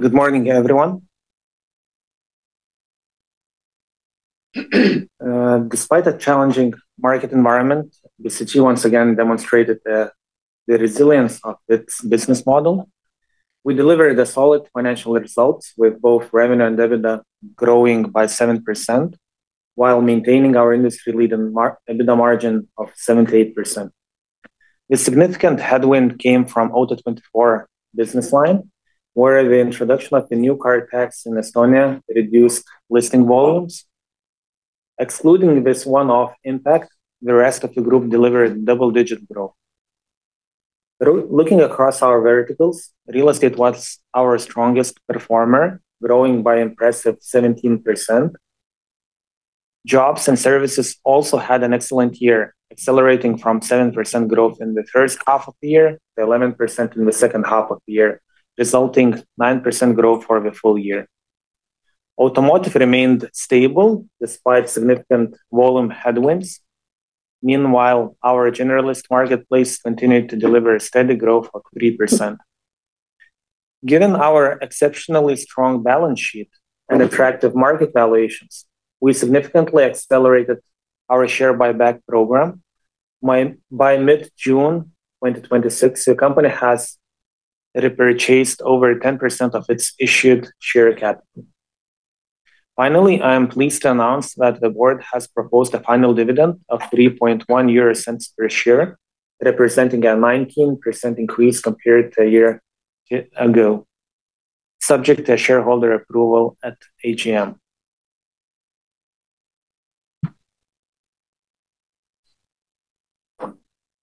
Good morning, everyone. Despite a challenging market environment, BCG once again demonstrated the resilience of its business model. We delivered a solid financial result with both revenue and EBITDA growing by 7%, while maintaining our industry-leading EBITDA margin of 78%. The significant headwind came from Auto24 business line, where the introduction of the new car tax in Estonia reduced listing volumes. Excluding this one-off impact, the rest of the group delivered double-digit growth. Looking across our verticals, real estate was our strongest performer, growing by impressive 17%. Jobs and services also had an excellent year, accelerating from 7% growth in the first half of the year to 11% in the second half of the year, resulting 9% growth for the full year. Automotive remained stable despite significant volume headwinds. Meanwhile, our generalist marketplace continued to deliver a steady growth of 3%. Given our exceptionally strong balance sheet and attractive market valuations, we significantly accelerated our share buyback program. By mid-June 2026, the company has repurchased over 10% of its issued share capital. I am pleased to announce that the board has proposed a final dividend of 0.031 per share, representing a 19% increase compared to a year ago, subject to shareholder approval at AGM.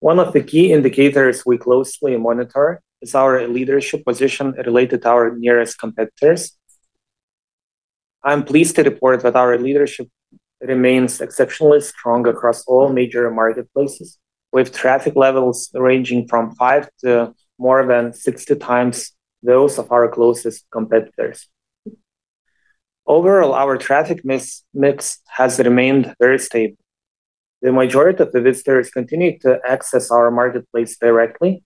One of the key indicators we closely monitor is our leadership position related to our nearest competitors. I am pleased to report that our leadership remains exceptionally strong across all major marketplaces, with traffic levels ranging from five to more than 60 times those of our closest competitors. Overall, our traffic mix has remained very stable. The majority of the visitors continue to access our marketplace directly,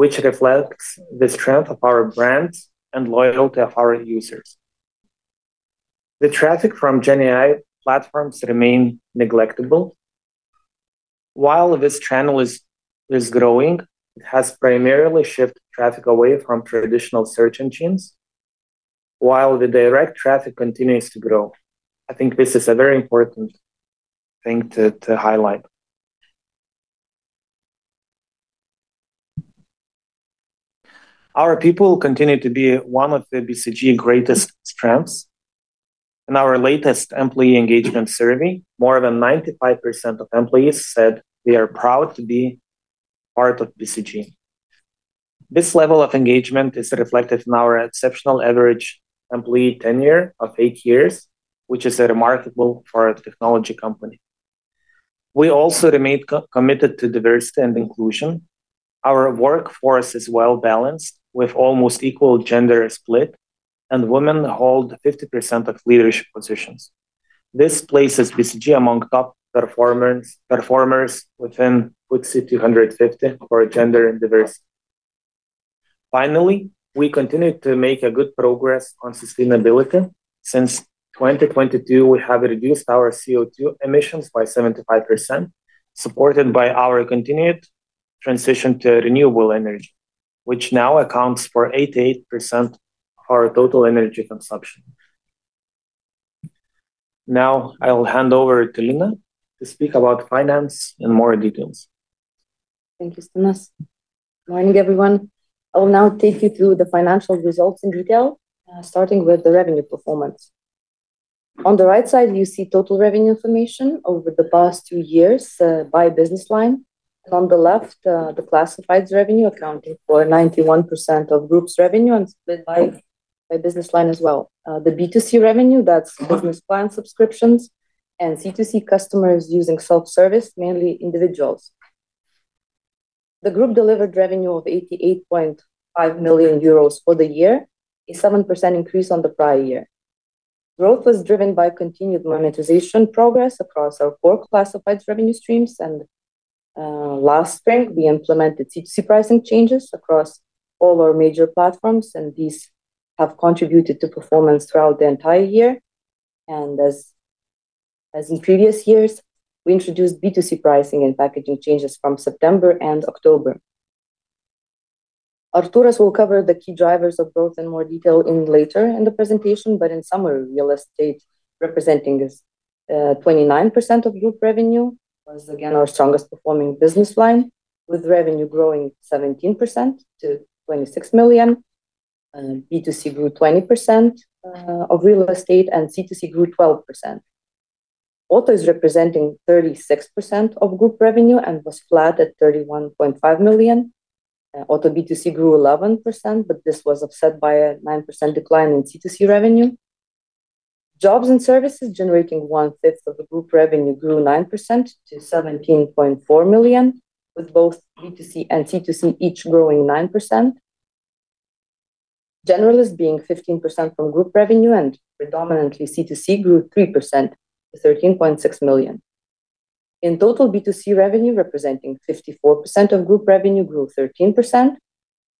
which reflects the strength of our brands and loyalty of our users. The traffic from Gen AI platforms remain negligible. While this channel is growing, it has primarily shifted traffic away from traditional search engines while the direct traffic continues to grow. I think this is a very important thing to highlight. Our people continue to be one of the BCG greatest strengths. In our latest employee engagement survey, more than 95% of employees said they are proud to be part of BCG. This level of engagement is reflected in our exceptional average employee tenure of eight years, which is remarkable for a technology company. We also remain committed to diversity and inclusion. Our workforce is well-balanced, with almost equal gender split, and women hold 50% of leadership positions. This places BCG among top performers within FTSE 250 for gender and diversity. We continue to make a good progress on sustainability. Since 2022, we have reduced our CO2 emissions by 75%, supported by our continued transition to renewable energy, which now accounts for 88% of our total energy consumption. I will hand over to Lina to speak about finance in more details. Thank you, Justinas. Morning, everyone. I will now take you through the financial results in detail, starting with the revenue performance. On the right side, you see total revenue information over the past two years, by business line. On the left, the classifieds revenue accounting for 91% of group's revenue and split by business line as well. The B2C revenue, that is business plan subscriptions and C2C customers using self-service, mainly individuals. The group delivered revenue of 88.5 million euros for the year, a 7% increase on the prior year. Growth was driven by continued monetization progress across our four classifieds revenue streams. Last spring, we implemented C2C pricing changes across all our major platforms, and these have contributed to performance throughout the entire year. As in previous years, we introduced B2C pricing and packaging changes from September and October. Artūras will cover the key drivers of growth in more detail later in the presentation, but in summary, real estate representing 29% of group revenue was again our strongest performing business line, with revenue growing 17% to 26 million. B2C grew 20% of real estate and C2C grew 12%. Autos representing 36% of group revenue was flat at 31.5 million. Auto B2C grew 11%, but this was offset by a 9% decline in C2C revenue. Jobs and services generating 1/5 of the group revenue grew 9% to 17.4 million, with both B2C and C2C each growing 9%. Generalist being 15% of group revenue and predominantly C2C grew 3% to 13.6 million. In total, B2C revenue, representing 54% of group revenue, grew 13%,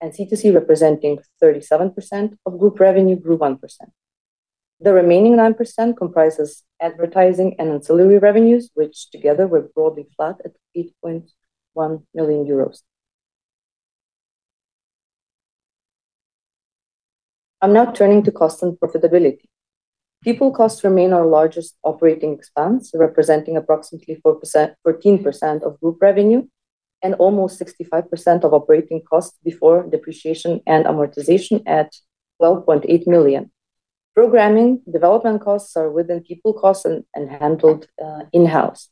and C2C, representing 37% of group revenue, grew 1%. The remaining 9% comprises advertising and ancillary revenues, which together were broadly flat at 8.1 million euros. I am now turning to cost and profitability. People costs remain our largest operating expense, representing approximately 14% of group revenue and almost 65% of operating costs before depreciation and amortization at 12.8 million. Programming development costs are within people costs and handled in-house.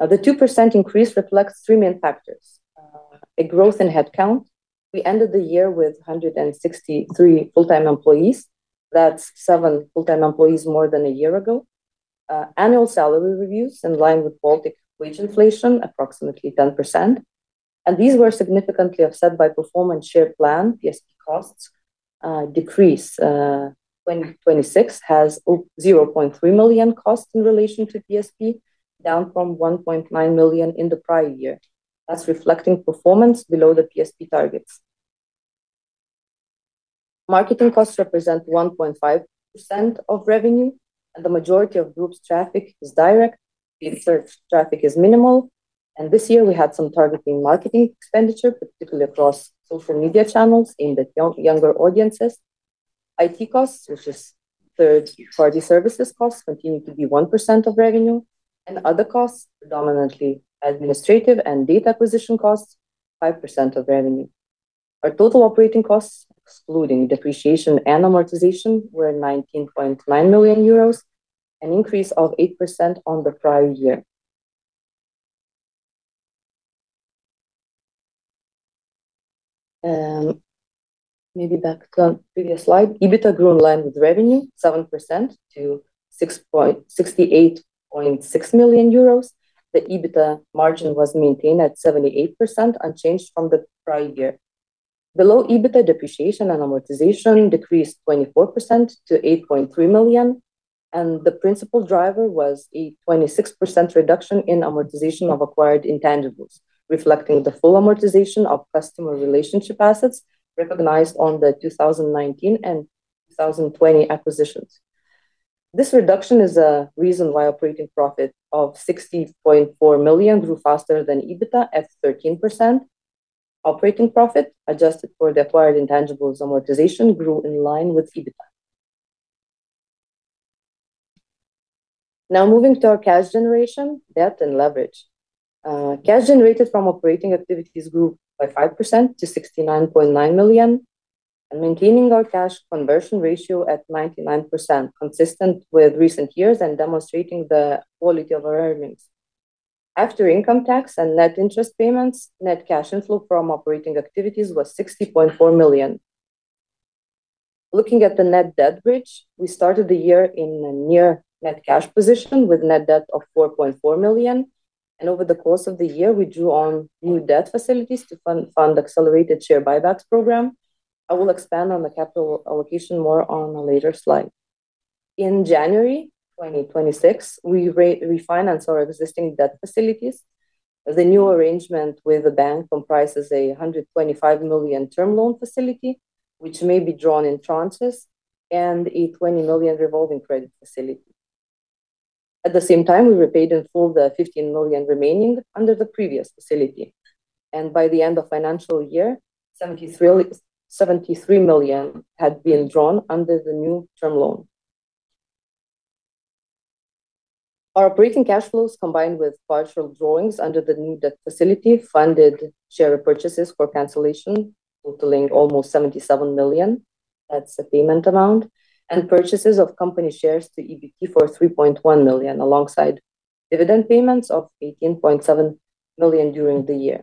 The 2% increase reflects three main factors. A growth in headcount. We ended the year with 163 full-time employees. That is seven full-time employees more than a year ago. Annual salary reviews in line with Baltic wage inflation, approximately 10%. These were significantly offset by performance share plan, PSP costs decrease. 2026 has 0.3 million costs in relation to PSP, down from 1.9 million in the prior year. That is reflecting performance below the PSP targets. Marketing costs represent 1.5% of revenue, and the majority of groups traffic is direct. Paid search traffic is minimal, and this year we had some targeting marketing expenditure, particularly across social media channels aimed at younger audiences. IT costs, which is third-party services costs, continue to be 1% of revenue, and other costs, predominantly administrative and data acquisition costs, 5% of revenue. Our total operating costs, excluding depreciation and amortization, were 19.9 million euros, an increase of 8% on the prior year. Maybe back to the previous slide. EBITDA grew in line with revenue 7% to 68.6 million euros. The EBITDA margin was maintained at 78%, unchanged from the prior year. Below EBITDA, depreciation and amortization decreased 24% to 8.3 million, and the principal driver was a 26% reduction in amortization of acquired intangibles, reflecting the full amortization of customer relationship assets recognized on the 2019 and 2020 acquisitions. This reduction is a reason why operating profit of 60.4 million grew faster than EBITDA at 13%. Operating profit, adjusted for the acquired intangibles amortization, grew in line with EBITDA. Moving to our cash generation, debt and leverage. Cash generated from operating activities grew by 5% to 69.9 million, maintaining our cash conversion ratio at 99%, consistent with recent years and demonstrating the quality of our earnings. After income tax and net interest payments, net cash inflow from operating activities was 60.4 million. Looking at the net debt bridge, we started the year in a near net cash position with net debt of 4.4 million. Over the course of the year, we drew on new debt facilities to fund accelerated share buybacks program. I will expand on the capital allocation more on a later slide. In January 2026, we refinanced our existing debt facilities. The new arrangement with the bank comprises a 125 million term loan facility, which may be drawn in tranches, and a 20 million revolving credit facility. At the same time, we repaid in full the 15 million remaining under the previous facility. By the end of financial year, 73 million had been drawn under the new term loan. Our operating cash flows, combined with partial drawings under the new debt facility, funded share purchases for cancellation, totaling almost 77 million. That's the payment amount. Purchases of company shares to EBT for 3.1 million, alongside dividend payments of 18.7 million during the year.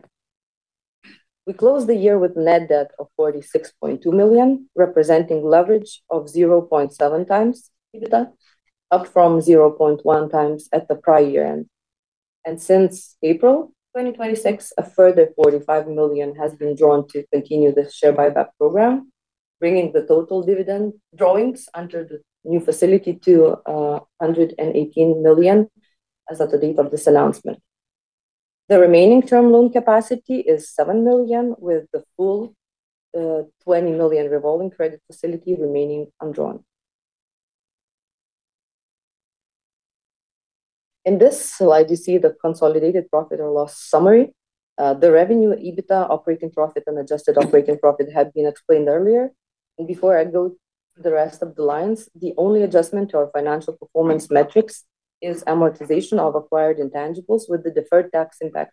We closed the year with net debt of 46.2 million, representing leverage of 0.7x EBITDA, up from 0.1x at the prior year-end. Since April 2026, a further 45 million has been drawn to continue the share buyback program, bringing the total dividend drawings under the new facility to 118 million, as at the date of this announcement. The remaining term loan capacity is 7 million, with the full 20 million revolving credit facility remaining undrawn. In this slide, you see the consolidated profit or loss summary. The revenue, EBITDA, operating profit, and adjusted operating profit had been explained earlier. Before I go through the rest of the lines, the only adjustment to our financial performance metrics is amortization of acquired intangibles with the deferred tax impact.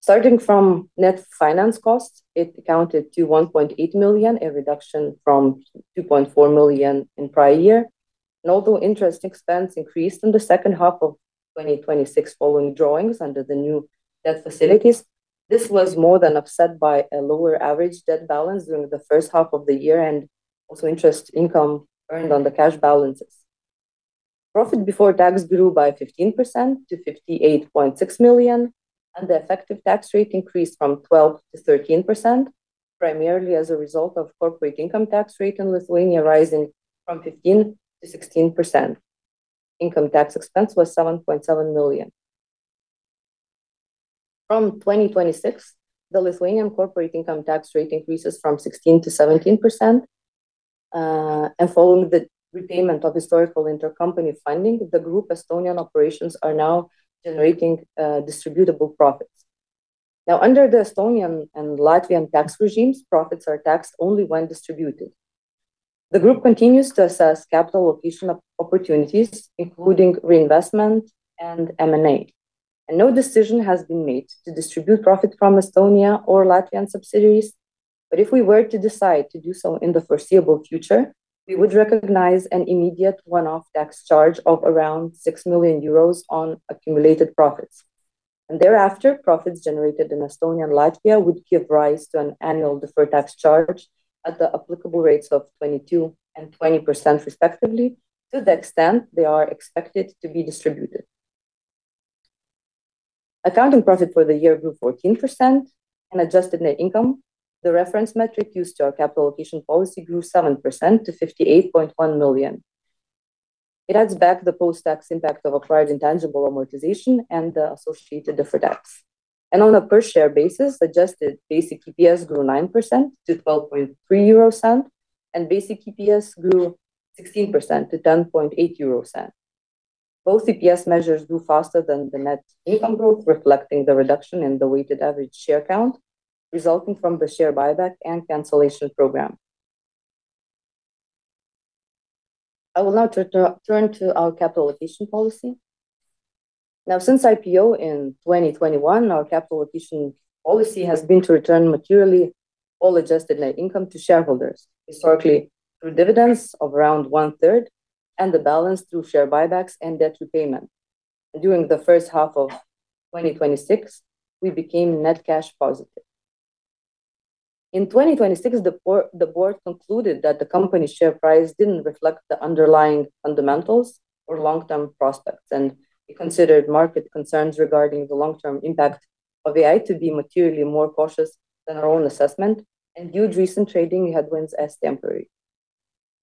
Starting from net finance costs, it accounted to 1.8 million, a reduction from 2.4 million in prior year. Although interest expense increased in the second half of 2026 following drawings under the new debt facilities, this was more than offset by a lower average debt balance during the first half of the year and also interest income earned on the cash balances. Profit before tax grew by 15% to 58.6 million. The effective tax rate increased from 12%-13%. Primarily as a result of corporate income tax rate in Lithuania rising from 15%-16%. Income tax expense was 7.7 million. From 2026, the Lithuanian corporate income tax rate increases from 16%-17%. Following the repayment of historical intercompany funding, the group Estonian operations are now generating distributable profits. Now, under the Estonian and Latvian tax regimes, profits are taxed only when distributed. The group continues to assess capital allocation opportunities, including reinvestment and M&A. No decision has been made to distribute profit from Estonia or Latvian subsidiaries. But if we were to decide to do so in the foreseeable future, we would recognize an immediate one-off tax charge of around 6 million euros on accumulated profits. Thereafter, profits generated in Estonia and Latvia would give rise to an annual deferred tax charge at the applicable rates of 22% and 20%, respectively, to the extent they are expected to be distributed. Accounting profit for the year grew 14%. Adjusted net income, the reference metric used to our capital allocation policy, grew 7% to 58.1 million. It adds back the post-tax impact of acquired intangible amortization and the associated deferred tax. On a per share basis, adjusted basic EPS grew 9% to 0.123, and basic EPS grew 16% to 0.108. Both EPS measures grew faster than the net income growth, reflecting the reduction in the weighted average share count resulting from the share buyback and cancellation program. I will now turn to our capital allocation policy. Since IPO in 2021, our capital allocation policy has been to return materially all adjusted net income to shareholders, historically through dividends of around one-third, and the balance through share buybacks and debt repayment. During the first half of 2026, we became net cash positive. In 2026, the board concluded that the company's share price didn't reflect the underlying fundamentals or long-term prospects. It considered market concerns regarding the long-term impact of AI to be materially more cautious than our own assessment and viewed recent trading headwinds as temporary.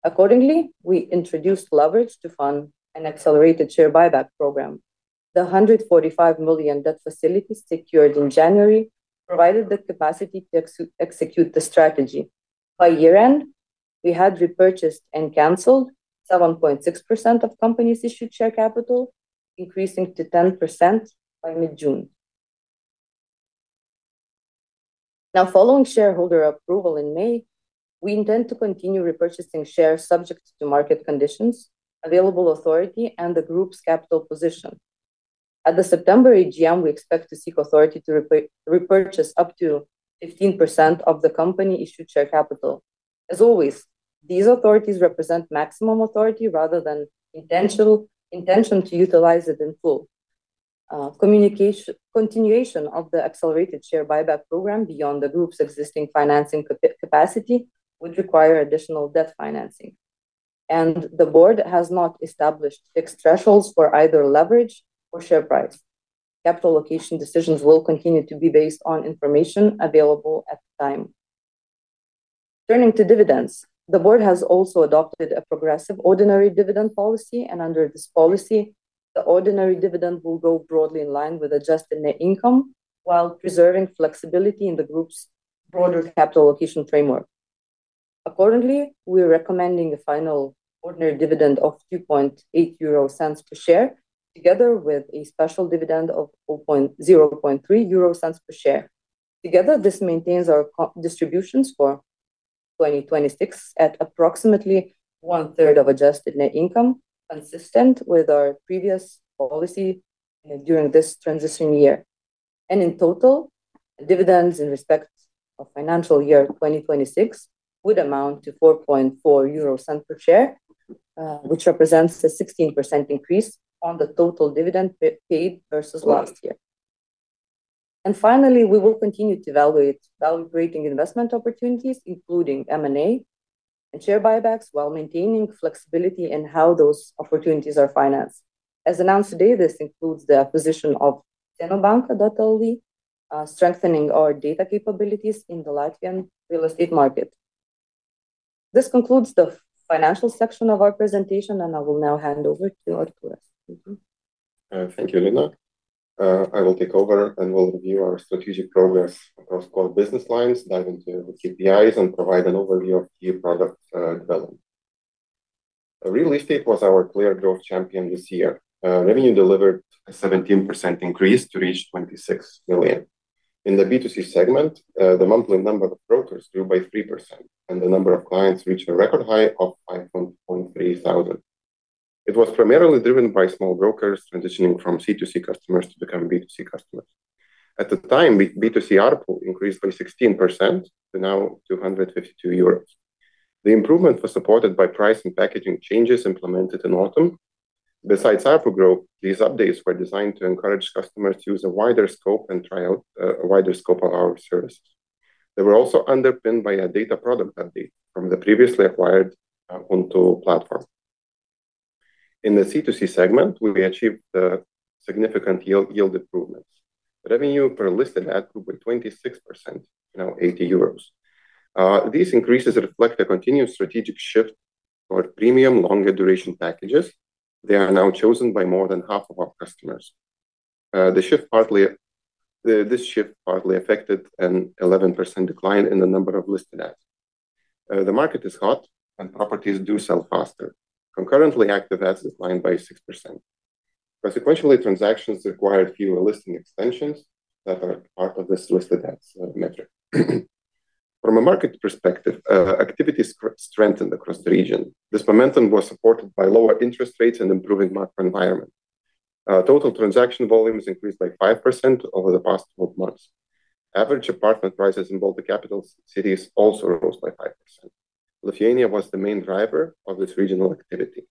Accordingly, we introduced leverage to fund an accelerated share buyback program. The 145 million debt facilities secured in January provided the capacity to execute the strategy. By year-end, we had repurchased and canceled 7.6% of company's issued share capital, increasing to 10% by mid-June. Following shareholder approval in May, we intend to continue repurchasing shares subject to market conditions, available authority, and the group's capital position. At the September AGM, we expect to seek authority to repurchase up to 15% of the company-issued share capital. As always, these authorities represent maximum authority rather than intention to utilize it in full. Continuation of the accelerated share buyback program beyond the group's existing financing capacity would require additional debt financing. The board has not established fixed thresholds for either leverage or share price. Capital allocation decisions will continue to be based on information available at the time. Turning to dividends, the board has also adopted a progressive ordinary dividend policy. Under this policy, the ordinary dividend will go broadly in line with adjusted net income while preserving flexibility in the group's broader capital allocation framework. Accordingly, we're recommending a final ordinary dividend of 0.028 per share, together with a special dividend of 0.003 per share. Together, this maintains our distributions for 2026 at approximately one-third of adjusted net income, consistent with our previous policy during this transition year. In total, dividends in respect of financial year 2026 would amount to 0.044 euro per share, which represents a 16% increase on the total dividend paid versus last year. Finally, we will continue to evaluate value-creating investment opportunities, including M&A and share buybacks, while maintaining flexibility in how those opportunities are financed. As announced today, this includes the acquisition of Cenu Banka, strengthening our data capabilities in the Latvian real estate market. This concludes the financial section of our presentation, and I will now hand over to Artūras. Thank you, Lina. I will take over, we'll review our strategic progress across core business lines, dive into the KPIs, and provide an overview of key product development. Real estate was our clear growth champion this year. Revenue delivered a 17% increase to reach 26 million. In the B2C segment, the monthly number of brokers grew by 3%, and the number of clients reached a record high of 5,300. It was primarily driven by small brokers transitioning from C2C customers to become B2C customers. At the time, B2C ARPU increased by 16% to now 252 euros. The improvement was supported by price and packaging changes implemented in autumn. Besides ARPU growth, these updates were designed to encourage customers to use a wider scope and try out a wider scope of our services. They were also underpinned by a data product update from the previously acquired Untu platform. In the C2C segment, we achieved significant yield improvements. Revenue per listed ad grew by 26%, now 80 euros. These increases reflect a continued strategic shift toward premium longer duration packages. They are now chosen by more than half of our customers. This shift partly affected an 11% decline in the number of listed ads. The market is hot and properties do sell faster. Concurrently, active ads declined by 6%. Sequentially, transactions required fewer listing extensions that are part of this listed ads metric. From a market perspective, activities strengthened across the region. This momentum was supported by lower interest rates and improving macro environment. Total transaction volumes increased by 5% over the past 12 months. Average apartment prices in both the capital cities also rose by 5%. Lithuania was the main driver of this regional activity.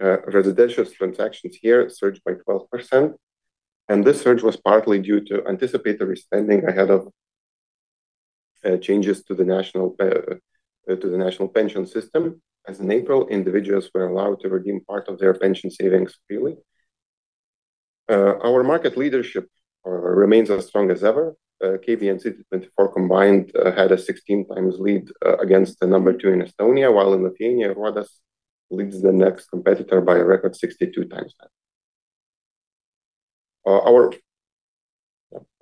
Residential transactions here surged by 12%. This surge was partly due to anticipatory spending ahead of changes to the national pension system, as in April, individuals were allowed to redeem part of their pension savings freely. Our market leadership remains as strong as ever. KV and C24 combined had a 16 times lead against the number two in Estonia, while in Lithuania, Aruodas leads the next competitor by a record 62 times that. Our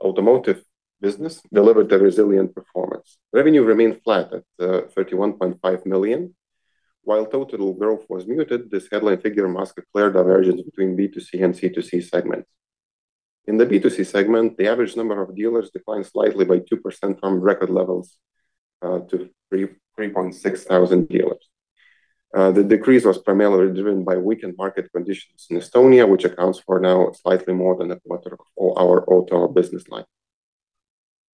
automotive business delivered a resilient performance. Revenue remained flat at 31.5 million. While total growth was muted, this headline figure masks a clear divergence between B2C and C2C segments. In the B2C segment, the average number of dealers declined slightly by 2% from record levels to 3,600 dealers. The decrease was primarily driven by weakened market conditions in Estonia, which accounts for now slightly more than a quarter of our auto business line.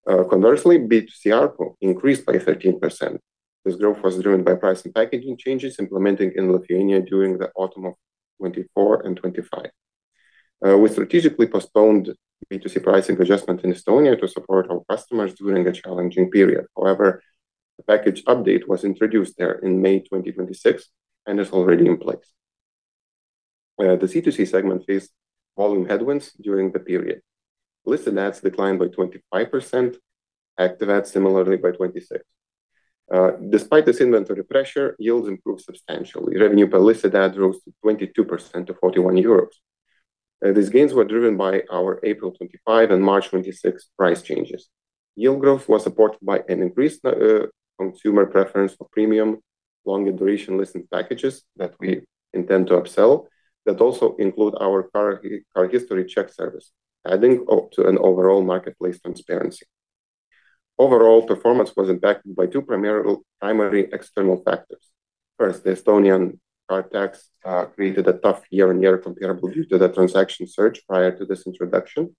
Conversely, B2C ARPU increased by 13%. This growth was driven by price and packaging changes implementing in Lithuania during the autumn of 2024 and 2025. We strategically postponed B2C pricing adjustment in Estonia to support our customers during a challenging period. However, the package update was introduced there in May 2026 and is already in place. The C2C segment faced volume headwinds during the period. Listed ads declined by 25%, active ads similarly by 26%. Despite this inventory pressure, yields improved substantially. Revenue per listed ad rose to 22% to 41 euros. These gains were driven by our April 2025 and March 2026 price changes. Yield growth was supported by an increased consumer preference for premium longer duration listing packages that we intend to upsell that also include our car history check service, adding to an overall marketplace transparency. Overall performance was impacted by two primary external factors. First, the Estonian car tax created a tough year-over-year comparable due to the transaction surge prior to this introduction.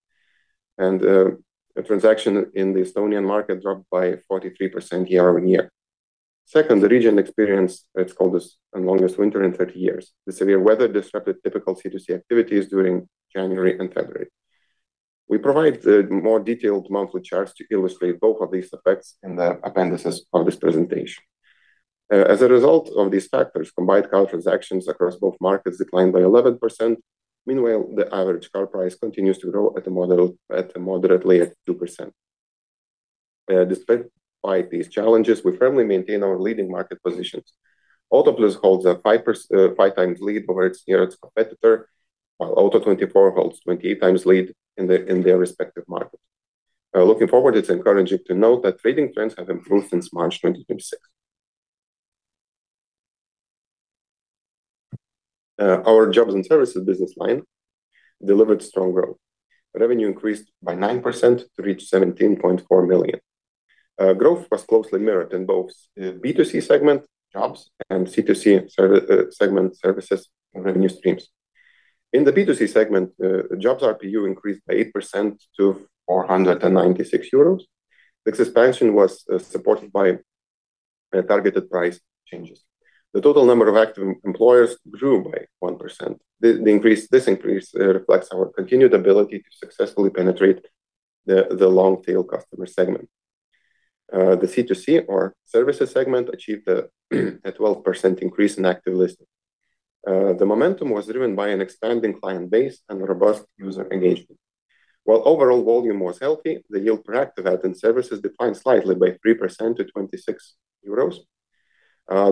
The transaction in the Estonian market dropped by 43% year-over-year. Second, the region experienced its coldest and longest winter in 30 years. The severe weather disrupted typical C2C activities during January and February. We provide more detailed monthly charts to illustrate both of these effects in the appendices of this presentation. As a result of these factors, combined car transactions across both markets declined by 11%. Meanwhile, the average car price continues to grow at a moderately at 2%. Despite these challenges, we firmly maintain our leading market positions. Autoplius holds a five times lead over its nearest competitor, while Auto24 holds 28 times lead in their respective markets. Looking forward, it's encouraging to note that trading trends have improved since March 2026. Our jobs and services business line delivered strong growth. Revenue increased by 9% to reach 17.4 million. Growth was closely mirrored in both B2C segment jobs and C2C segment services revenue streams. In the B2C segment, jobs ARPU increased by 8% to 496 euros. This expansion was supported by targeted price changes. The total number of active employers grew by 1%. This increase reflects our continued ability to successfully penetrate the long-tail customer segment. The C2C or services segment achieved a 12% increase in active listings. The momentum was driven by an expanding client base and robust user engagement. While overall volume was healthy, the yield per active ad in services declined slightly by 3% to 26 euros.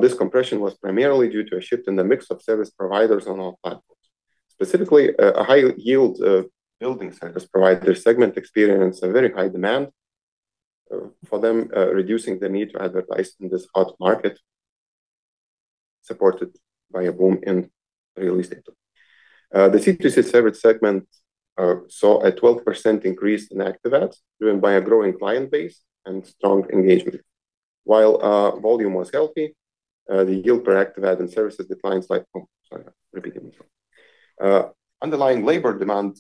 This compression was primarily due to a shift in the mix of service providers on our platforms. Specifically, a high yield building service provider segment experienced a very high demand for them, reducing the need to advertise in this hot market, supported by a boom in real estate. The C2C service segment saw a 12% increase in active ads driven by a growing client base and strong engagement. While volume was healthy, the yield per active ad and services declines like Oh, sorry, I repeated myself. Underlying labor demand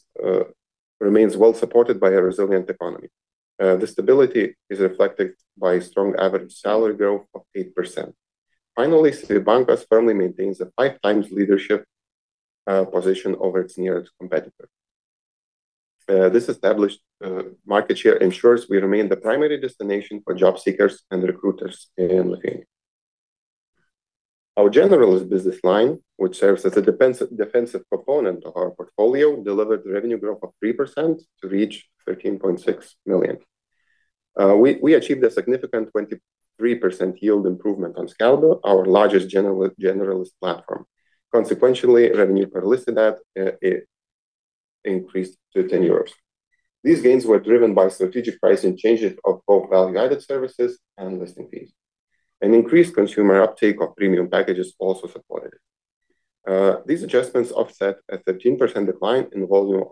remains well supported by a resilient economy. The stability is reflected by strong average salary growth of 8%. Finally, CVbankas firmly maintains a five times leadership position over its nearest competitor. This established market share ensures we remain the primary destination for job seekers and recruiters in Lithuania. Our generalist business line, which serves as a defensive component of our portfolio, delivered revenue growth of 3% to reach 13.6 million. We achieved a significant 23% yield improvement on Skelbiu, our largest generalist platform. Consequentially, revenue per listed ad increased to 10 euros. These gains were driven by strategic pricing changes of both value-added services and listing fees. An increased consumer uptake of premium packages also supported it. These adjustments offset a 13% decline in volume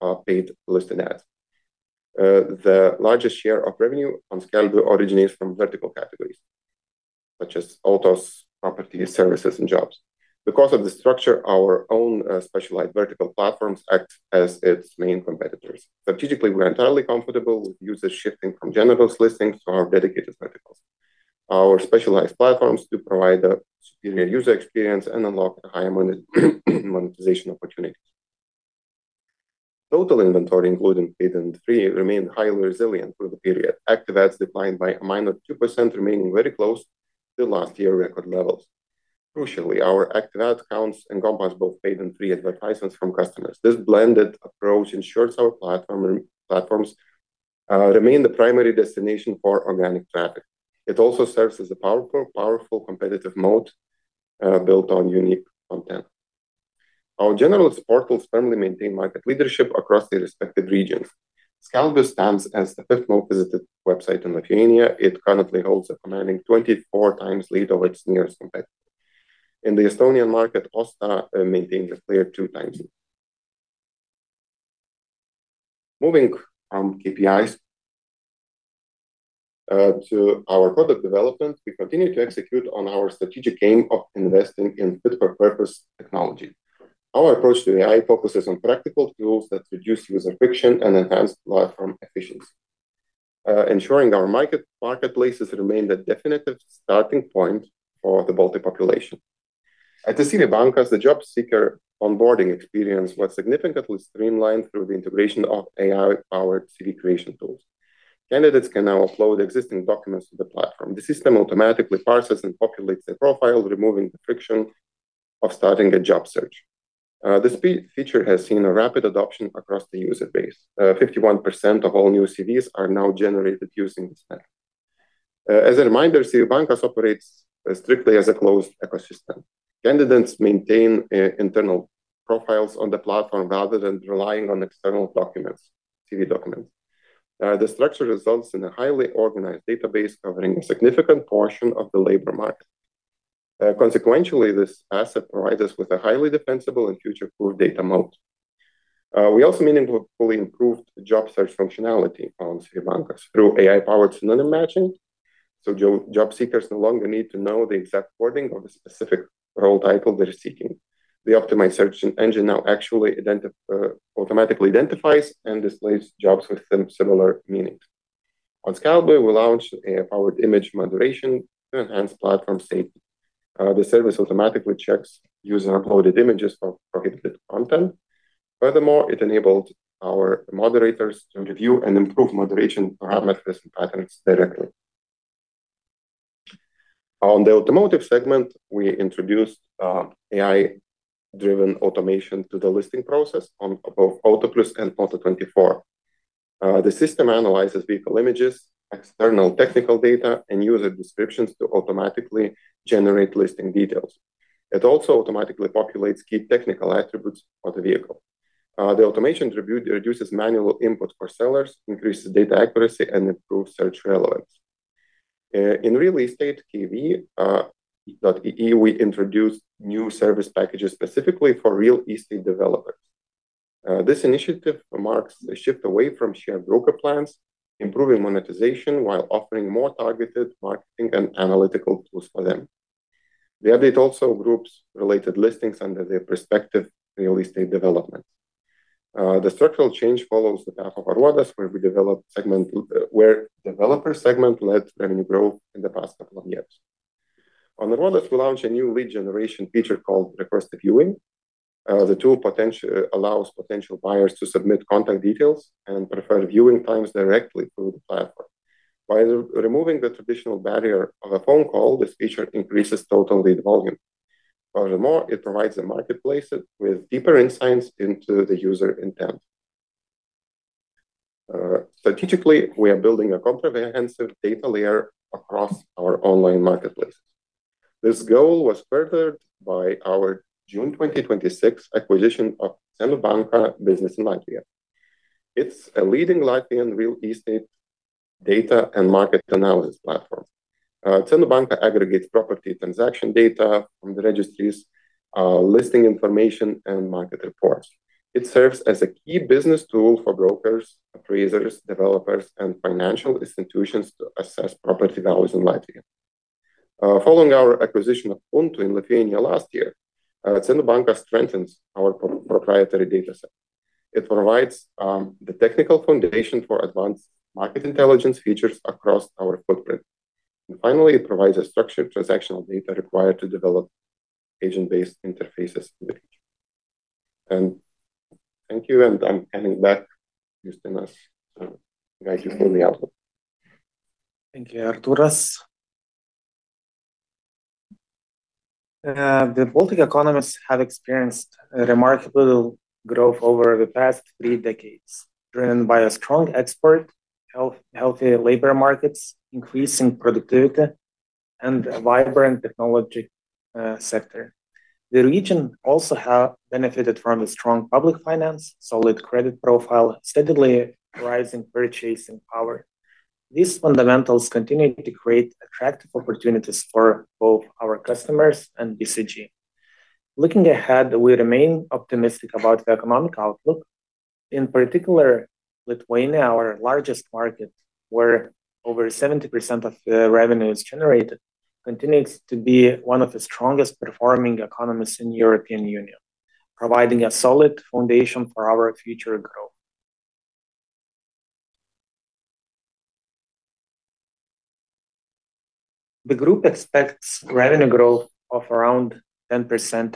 of paid listed ads. The largest share of revenue on Skelbiu originates from vertical categories such as autos, properties, services and jobs. Because of the structure, our own specialized vertical platforms act as its main competitors. Strategically, we're entirely comfortable with users shifting from general listings to our dedicated verticals. Our specialized platforms do provide a superior user experience and unlock higher monetization opportunities. Total inventory including paid and free remained highly resilient for the period. Active ads declined by a minor 2%, remaining very close to the last year record levels. Crucially, our active ad counts encompass both paid and free advertisements from customers. This blended approach ensures our platforms remain the primary destination for organic traffic. It also serves as a powerful competitive moat built on unique content. Our generalist portals firmly maintain market leadership across their respective regions. Skelbiu stands as the fifth most visited website in Lithuania. It currently holds a commanding 24 times lead over its nearest competitor. In the Estonian market, Osta maintained a clear two times Moving from KPIs to our product development, we continue to execute on our strategic aim of investing in fit-for-purpose technology. Our approach to AI focuses on practical tools that reduce user friction and enhance platform efficiency, ensuring our marketplaces remain the definitive starting point for the Baltic population. At CVbankas, the job seeker onboarding experience was significantly streamlined through the integration of AI-powered CV creation tools. Candidates can now upload existing documents to the platform. The system automatically parses and populates their profile, removing the friction of starting a job search. This feature has seen a rapid adoption across the user base. 51% of all new CVs are now generated using this method. As a reminder, CVbankas operates strictly as a closed ecosystem. Candidates maintain internal profiles on the platform rather than relying on external CV documents. The structure results in a highly organized database covering a significant portion of the labor market. Consequentially, this asset provides us with a highly defensible and future-proof data moat. We also meaningfully improved job search functionality on CVbankas through AI-powered synonym matching, so job seekers no longer need to know the exact wording of the specific role title they're seeking. The optimized search engine now actually automatically identifies and displays jobs with similar meanings. On Skelbiu, we launched AI-powered image moderation to enhance platform safety. The service automatically checks user uploaded images for prohibited content. Furthermore, it enabled our moderators to review and improve moderation parameters and patterns directly. On the automotive segment, we introduced AI-driven automation to the listing process on both Autoplius and Auto24. The system analyzes vehicle images, external technical data and user descriptions to automatically generate listing details. It also automatically populates key technical attributes of the vehicle. The automation reduces manual input for sellers, increases data accuracy, and improves search relevance. In real estate, KV.ee, we introduced new service packages specifically for real estate developers. This initiative marks the shift away from shared broker plans, improving monetization while offering more targeted marketing and analytical tools for them. The update also groups related listings under their prospective real estate developments. The structural change follows the path of Aruodas, where developer segment led revenue growth in the past couple of years. On Aruodas, we launched a new lead generation feature called Request a Viewing. The tool allows potential buyers to submit contact details and preferred viewing times directly through the platform. By removing the traditional barrier of a phone call, this feature increases total lead volume. Furthermore, it provides the marketplace with deeper insights into the user intent. Strategically, we are building a comprehensive data layer across our online marketplaces. This goal was furthered by our June 2026 acquisition of Cenu Banka business in Latvia. It is a leading Latvian real estate data and market analysis platform. Cenu Banka aggregates property transaction data from the registries, listing information, and market reports. It serves as a key business tool for brokers, appraisers, developers, and financial institutions to assess property values in Latvia. Following our acquisition of Untu in Lithuania last year, Cenu Banka strengthens our proprietary dataset. It provides the technical foundation for advanced market intelligence features across our footprint, and finally, it provides a structured transactional data required to develop agent-based interfaces in the future. Thank you, and I am handing back to Justinas to guide you through the outlook. Thank you, Artūras. The Baltic economies have experienced remarkable growth over the past three decades, driven by strong export, healthy labor markets, increasing productivity, and a vibrant technology sector. The region also have benefited from a strong public finance, solid credit profile, and steadily rising purchasing power. These fundamentals continue to create attractive opportunities for both our customers and BCG. Looking ahead, we remain optimistic about the economic outlook. In particular, Lithuania, our largest market, where over 70% of the revenue is generated, continues to be one of the strongest performing economies in European Union, providing a solid foundation for our future growth. The group expects revenue growth of around 10%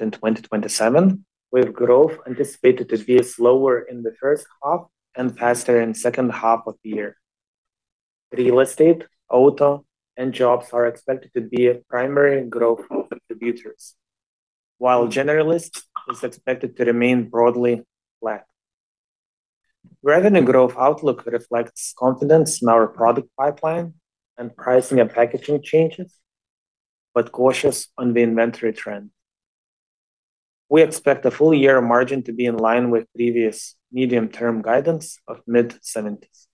in 2027, with growth anticipated to be slower in the first half and faster in the second half of the year. Real estate, auto, and jobs are expected to be primary growth contributors, while generalist is expected to remain broadly flat. Revenue growth outlook reflects confidence in our product pipeline and pricing and packaging changes, but cautious on the inventory trend. We expect the full year margin to be in line with previous medium-term guidance of mid-70s.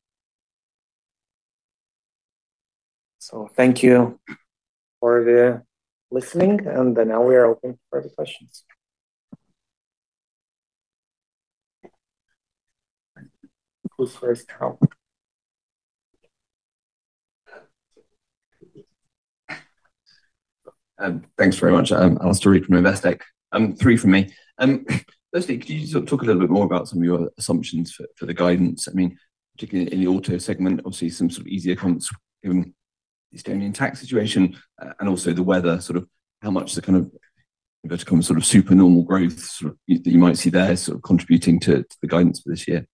Thank you for the listening, and now we are open for the questions. Who is first? Tom. Thanks very much. Alastair Reid from Investec. Three from me. Firstly, could you talk a little bit more about some of your assumptions for the guidance? Particularly in the auto segment, obviously, some easier comps given the Estonian tax situation and also the weather, how much the kind of, if that's a term, super normal growth that you might see there contributing to the guidance for this year.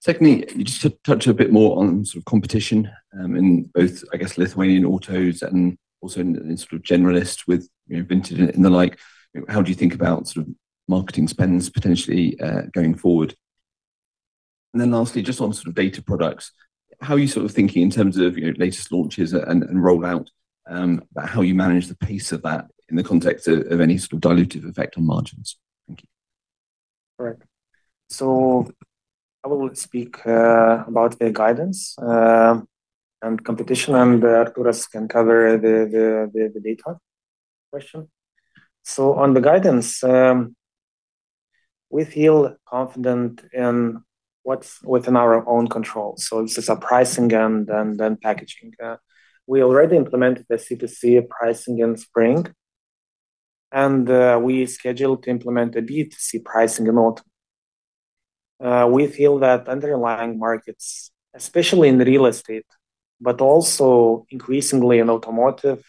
Secondly, could you just touch a bit more on competition, in both, I guess, Lithuanian autos and also in generalist with Vinted and the like. How do you think about marketing spends potentially, going forward? Lastly, just on data products, how are you thinking in terms of latest launches and rollout, about how you manage the pace of that in the context of any dilutive effect on margins? Thank you. All right. I will speak about the guidance and competition, and Arturas can cover the data question. On the guidance, we feel confident in what's within our own control. This is our pricing and then packaging. We already implemented the C2C pricing in spring, and we scheduled to implement the B2C pricing in autumn. We feel that underlying markets, especially in real estate, but also increasingly in automotive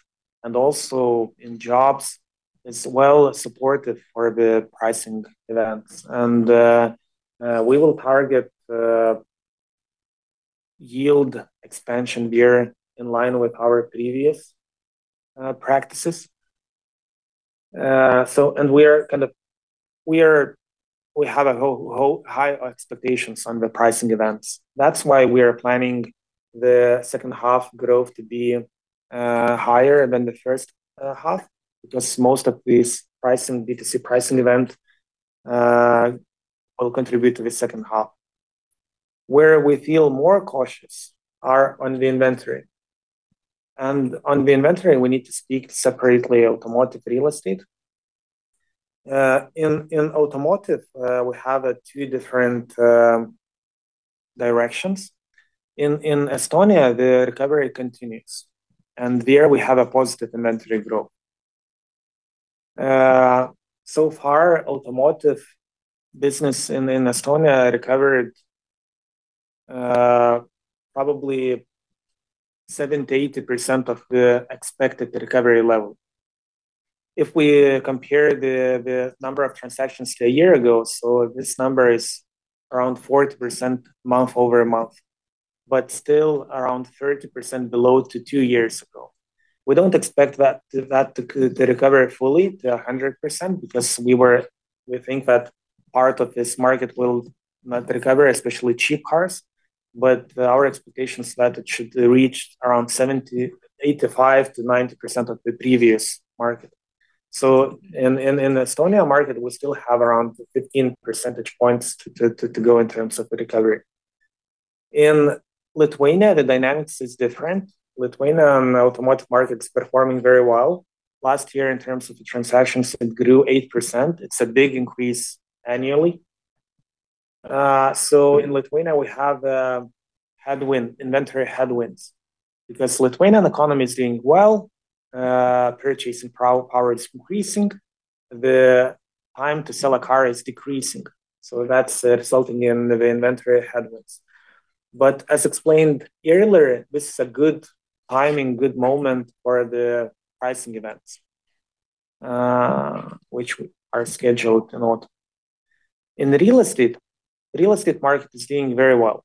and also in jobs, is well supportive for the pricing events. We will target yield expansion year in line with our previous practices. We have high expectations on the pricing events. That's why we are planning the second half growth to be higher than the first half, because most of this B2C pricing event will contribute to the second half. Where we feel more cautious are on the inventory. On the inventory, we need to speak separately automotive, real estate. In automotive, we have two different directions. In Estonia, the recovery continues, and there we have a positive inventory growth. So far, automotive business in Estonia recovered probably 70%-80% of the expected recovery level. If we compare the number of transactions to a year ago, this number is around 40% month-over-month, but still around 30% below to two years ago. We don't expect that to recover fully to 100%, because we think that part of this market will not recover, especially cheap cars. Our expectation is that it should reach around 70%, 85%-90% of the previous market. In Estonia market, we still have around 15 percentage points to go in terms of the recovery. In Lithuania, the dynamics is different. Lithuania and automotive markets performing very well. Last year in terms of the transactions, it grew 8%. It's a big increase annually. In Lithuania, we have inventory headwinds because Lithuanian economy is doing well, purchasing power is increasing, the time to sell a car is decreasing. That's resulting in the inventory headwinds. As explained earlier, this is a good timing, good moment for the pricing events which are scheduled in autumn. In real estate, real estate market is doing very well,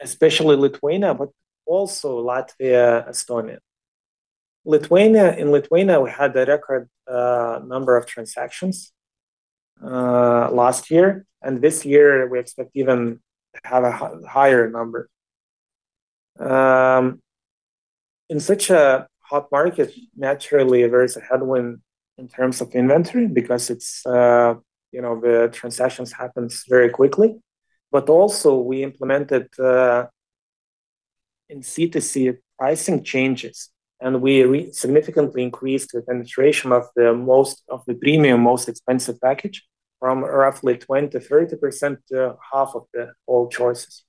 especially Lithuania, but also Latvia, Estonia. In Lithuania, we had a record number of transactions last year. This year we expect even have a higher number. In such a hot market, naturally, there's a headwind in terms of inventory because the transactions happens very quickly. Also we implemented in C2C pricing changes, and we significantly increased the penetration of the premium, most expensive package from roughly 20%-30% to half of the all choices.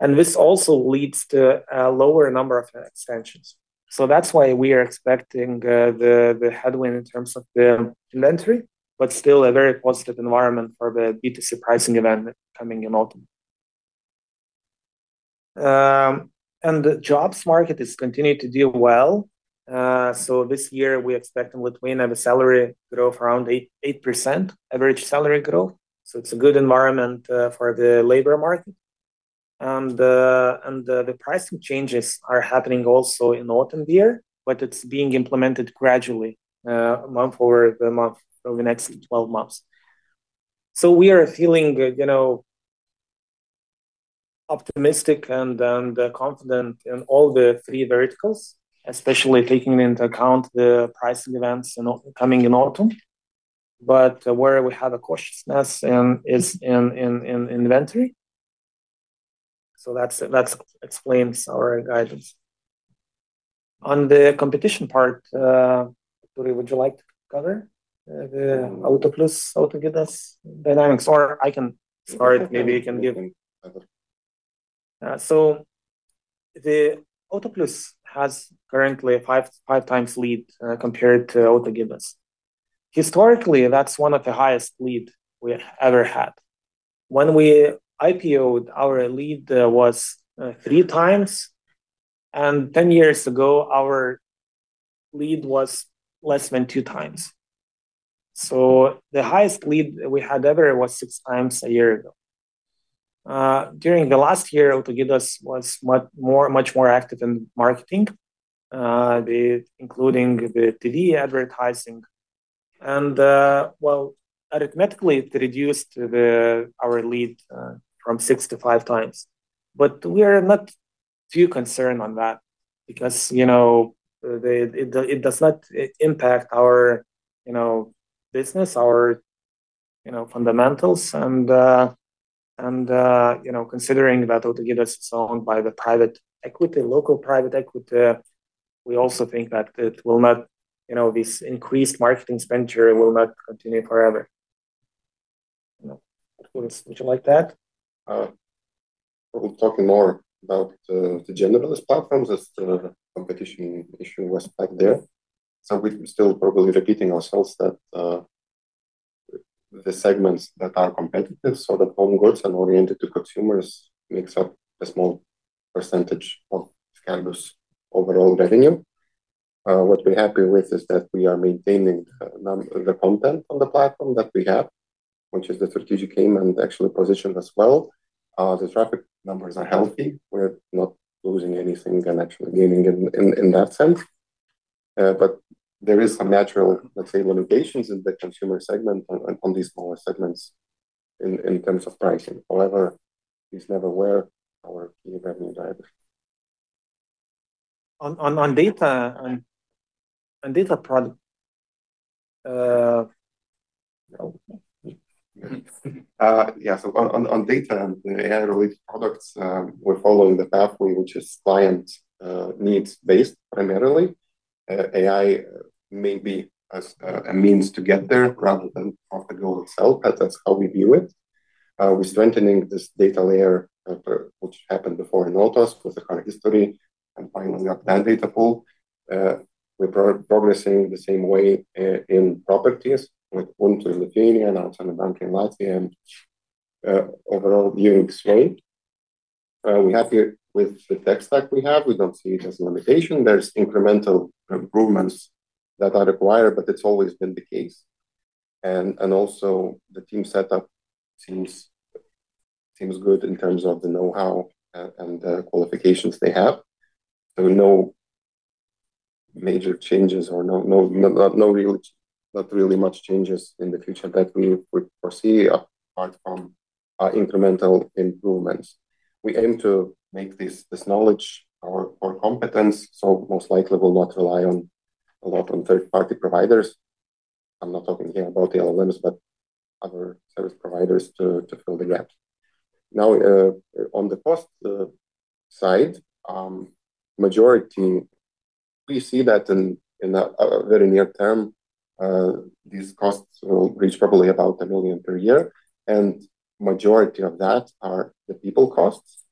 This also leads to a lower number of extensions. That's why we are expecting the headwind in terms of the inventory, but still a very positive environment for the B2C pricing event coming in autumn. The jobs market is continuing to do well. This year we expect in Lithuania the salary growth around 8% average salary growth. It's a good environment for the labor market. The pricing changes are happening also in autumn here, but it's being implemented gradually month-over-month over the next 12 months. We are feeling optimistic and confident in all the three verticals, especially taking into account the pricing events coming in autumn. Where we have a cautiousness is in inventory. That explains our guidance. On the competition part, Artūras, would you like to cover the Autoplius, Autogidas dynamics? Or I can start, Maybe you can give. I can. Autoplius has currently a five times lead compared to Autogidas. Historically, that's one of the highest lead we have ever had. When we IPO-ed, our lead was three times, and 10 years ago, our lead was less than two times. The highest lead we had ever was six times a year ago. During the last year, Autogidas was much more active in marketing, including the TV advertising, and well, arithmetically it reduced our lead from six to five times. We are not too concerned on that because it does not impact our business, our fundamentals and considering that Autogidas is owned by the local private equity, we also think that this increased marketing spend here will not continue forever. Would you like that? Probably talking more about the general business platforms as the competition issue was back there. We're still probably repeating ourselves that the segments that are competitive, the home goods and oriented to consumers makes up a small percentage of Skelbiu overall revenue. What we're happy with is that we are maintaining the content on the platform that we have, which is the strategic aim and actually positioned as well. The traffic numbers are healthy. We're not losing anything and actually gaining in that sense. There is some natural, let's say, limitations in the consumer segment on these smaller segments in terms of pricing. However, it's never where our key revenue drivers. On data and data product. On data and AI-related products, we're following the pathway which is client needs based primarily. AI may be as a means to get there rather than of the goal itself, but that's how we view it. We're strengthening this data layer, which happened before in Autos with the car history and finally our plan data pool. We're progressing the same way in properties with Untu in Lithuania and Cenu Banka in Latvia and overall viewing slate. We're happy with the tech stack we have. We don't see it as a limitation. There's incremental improvements that are required, but it's always been the case. Also the team setup seems good in terms of the know-how and the qualifications they have. No major changes or not really much changes in the future that we would foresee apart from incremental improvements. We aim to make this knowledge our competence, most likely we'll not rely a lot on third-party providers. I'm not talking here about the LLMs, but other service providers to fill the gaps. On the cost side, we see that in a very near term these costs will reach probably about 1 million per year, and majority of that are the people costs,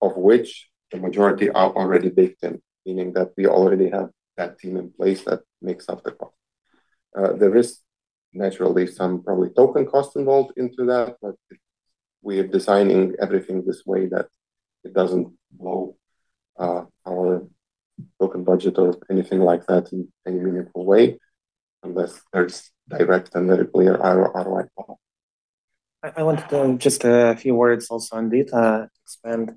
of which the majority are already baked in, meaning that we already have that team in place that makes up the cost. There is naturally some probably token cost involved into that, but we are designing everything this way that it doesn't blow our token budget or anything like that in any meaningful way, unless there's direct and very clear ROI problem. I wanted to just a few words also on data to expand.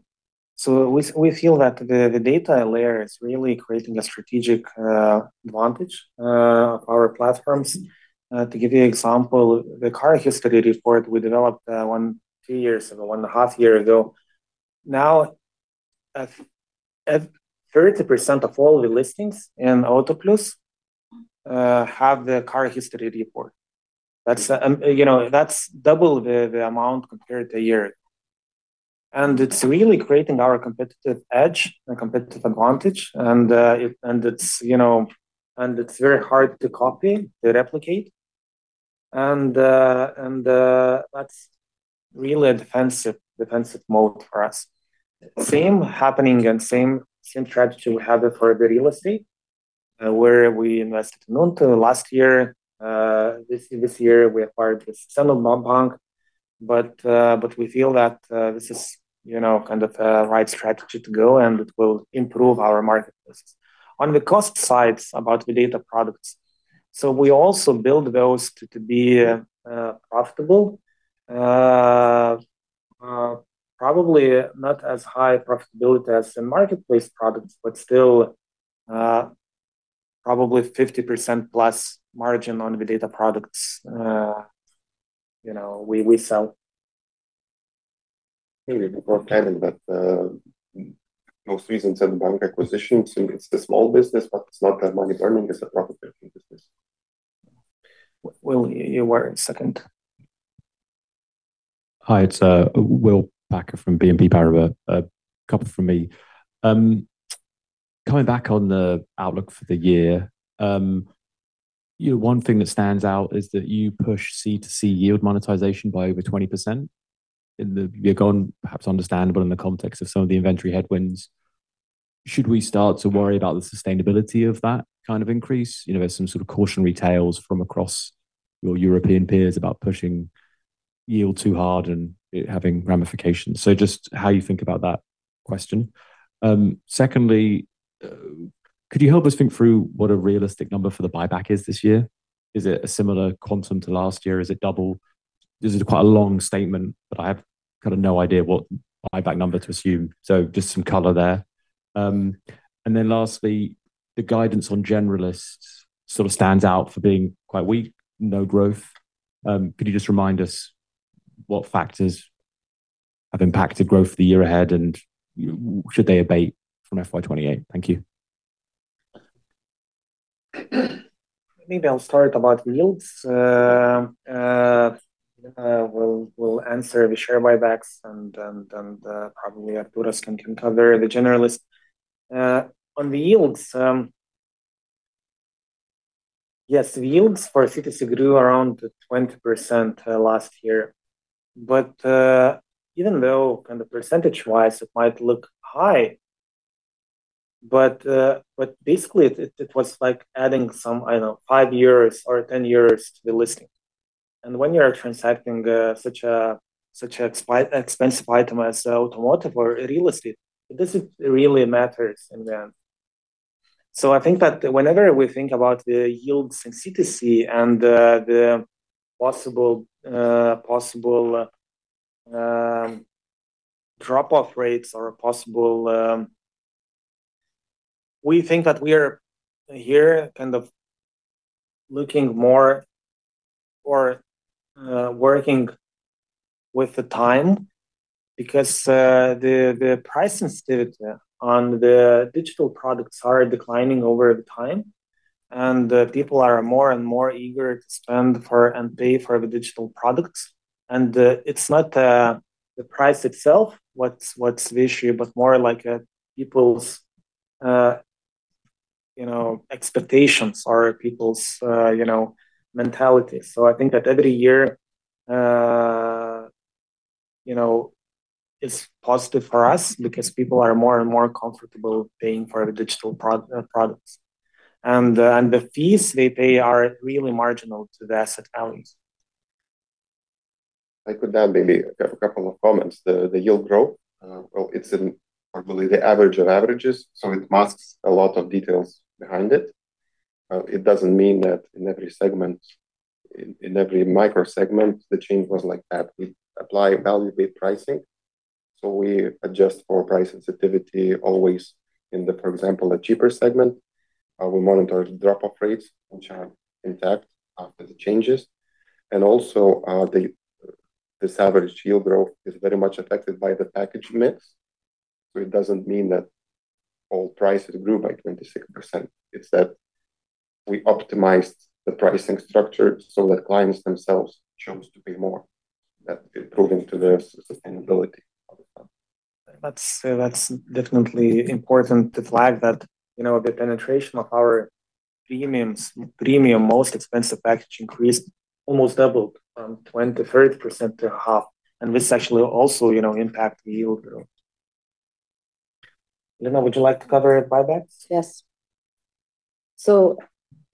We feel that the data layer is really creating a strategic advantage of our platforms. To give you example, the car history report we developed one and a half year ago. 30% of all the listings in Autoplius have the car history report. That's double the amount compared to one year ago. It's really creating our competitive edge and competitive advantage and it's very hard to copy, to replicate, and that's really a defensive mode for us. Same happening and same strategy we have for the real estate, where we invested in Untu last year. This year we acquired the Cenu Banka. We feel that this is kind of a right strategy to go and it will improve our marketplace. On the cost sides about the data products, we also build those to be profitable. Probably not as high profitability as in marketplace products, but still probably 50% plus margin on the data products we sell. Maybe before Kevin, most reasons in bank acquisitions, it's the small business, it's not that money burning is a profitability business. Will, your word, second. Hi, it's Will Packer from BNP Paribas. A couple from me. Coming back on the outlook for the year, one thing that stands out is that you push C2C yield monetization by over 20% in the year gone, perhaps understandable in the context of some of the inventory headwinds. Should we start to worry about the sustainability of that kind of increase? There's some sort of cautionary tales from across your European peers about pushing yield too hard and it having ramifications. Just how you think about that question. Secondly, could you help us think through what a realistic number for the buyback is this year? Is it a similar quantum to last year? Is it double? This is quite a long statement, I have kind of no idea what buyback number to assume. Just some color there. Lastly, the guidance on generalists sort of stands out for being quite weak, no growth. Could you just remind us what factors have impacted growth the year ahead and should they abate from FY 2028? Thank you. Maybe I'll start about yields. We'll answer the share buybacks and then probably Artūras can cover the generalist. On the yields, yes, the yields for C2C grew around 20% last year. Even though kind of percentage wise it might look high, basically, it was like adding some, I don't know, five years or 10 years to the listing. When you're transacting such an expensive item as automotive or real estate, this really matters in the end. I think that whenever we think about the yields in C2C and the possible drop off rates. We think that we are here kind of looking more for working with the time because the price institute on the digital products are declining over the time and people are more and more eager to spend for and pay for the digital products. It's not the price itself what's the issue, but more like people's expectations or people's mentality. I think that every year it's positive for us because people are more and more comfortable paying for the digital products. The fees they pay are really marginal to the asset values. I could maybe a couple of comments. The yield growth, well, it's in probably the average of averages, so it masks a lot of details behind it. It doesn't mean that in every segment, in every micro segment, the change was like that. We apply value-based pricing, so we adjust for price sensitivity always in the, for example, a cheaper segment. We monitor drop-off rates which are intact after the changes. This average yield growth is very much affected by the package mix. It doesn't mean that all prices grew by 26%. It's that we optimized the pricing structure so that clients themselves chose to pay more, that improving to the sustainability of the company. That's definitely important to flag that the penetration of our premium, most expensive package increased, almost doubled from 20%-30% to half, this actually also impact the yield growth. Lina, would you like to cover buybacks? Yes.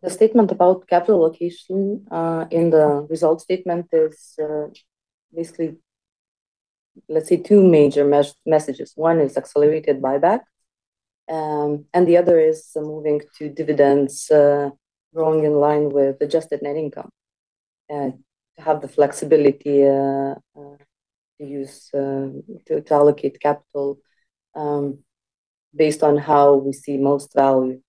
The statement about capital allocation in the result statement is basically, let's say, two major messages. One is accelerated buyback, and the other is moving to dividends growing in line with adjusted net income, to have the flexibility to allocate capital based on how we see most value.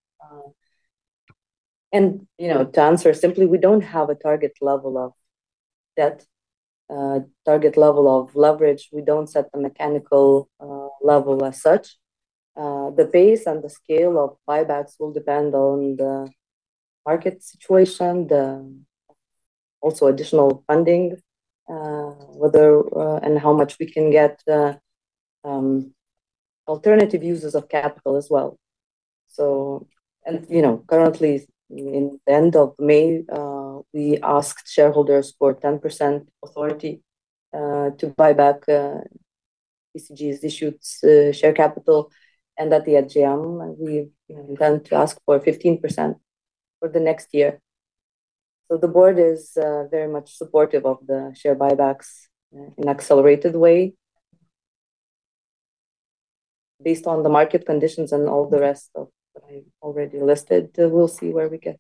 To answer simply, we don't have a target level of debt, target level of leverage. We don't set a mechanical level as such. The pace and the scale of buybacks will depend on the market situation, also additional funding, whether and how much we can get alternative users of capital as well. Currently in the end of May, we asked shareholders for 10% authority to buy back BCG's issued share capital. At the AGM, we intend to ask for 15% for the next year. The board is very much supportive of the share buybacks in accelerated way. Based on the market conditions and all the rest of that I already listed, we'll see where we get.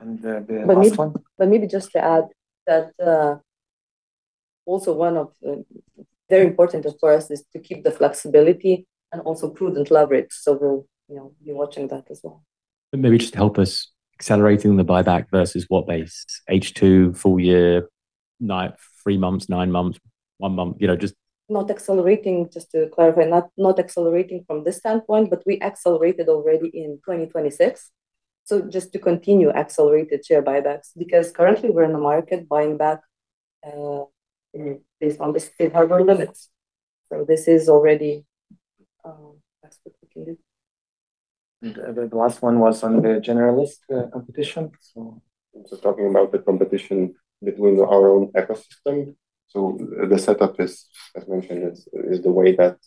The last one. Maybe just to add that also one of very important for us is to keep the flexibility and also prudent leverage. We'll be watching that as well. Maybe just help us accelerating the buyback versus what base, H2, full year, three months, nine months, one month? Not accelerating, just to clarify, not accelerating from this standpoint, but we accelerated already in 2026. Just to continue accelerated share buybacks, because currently we're in the market buying back based on the statutory limits. This is already executed. The last one was on the generalist competition. Just talking about the competition between our own ecosystem. The setup is, as mentioned, is the way that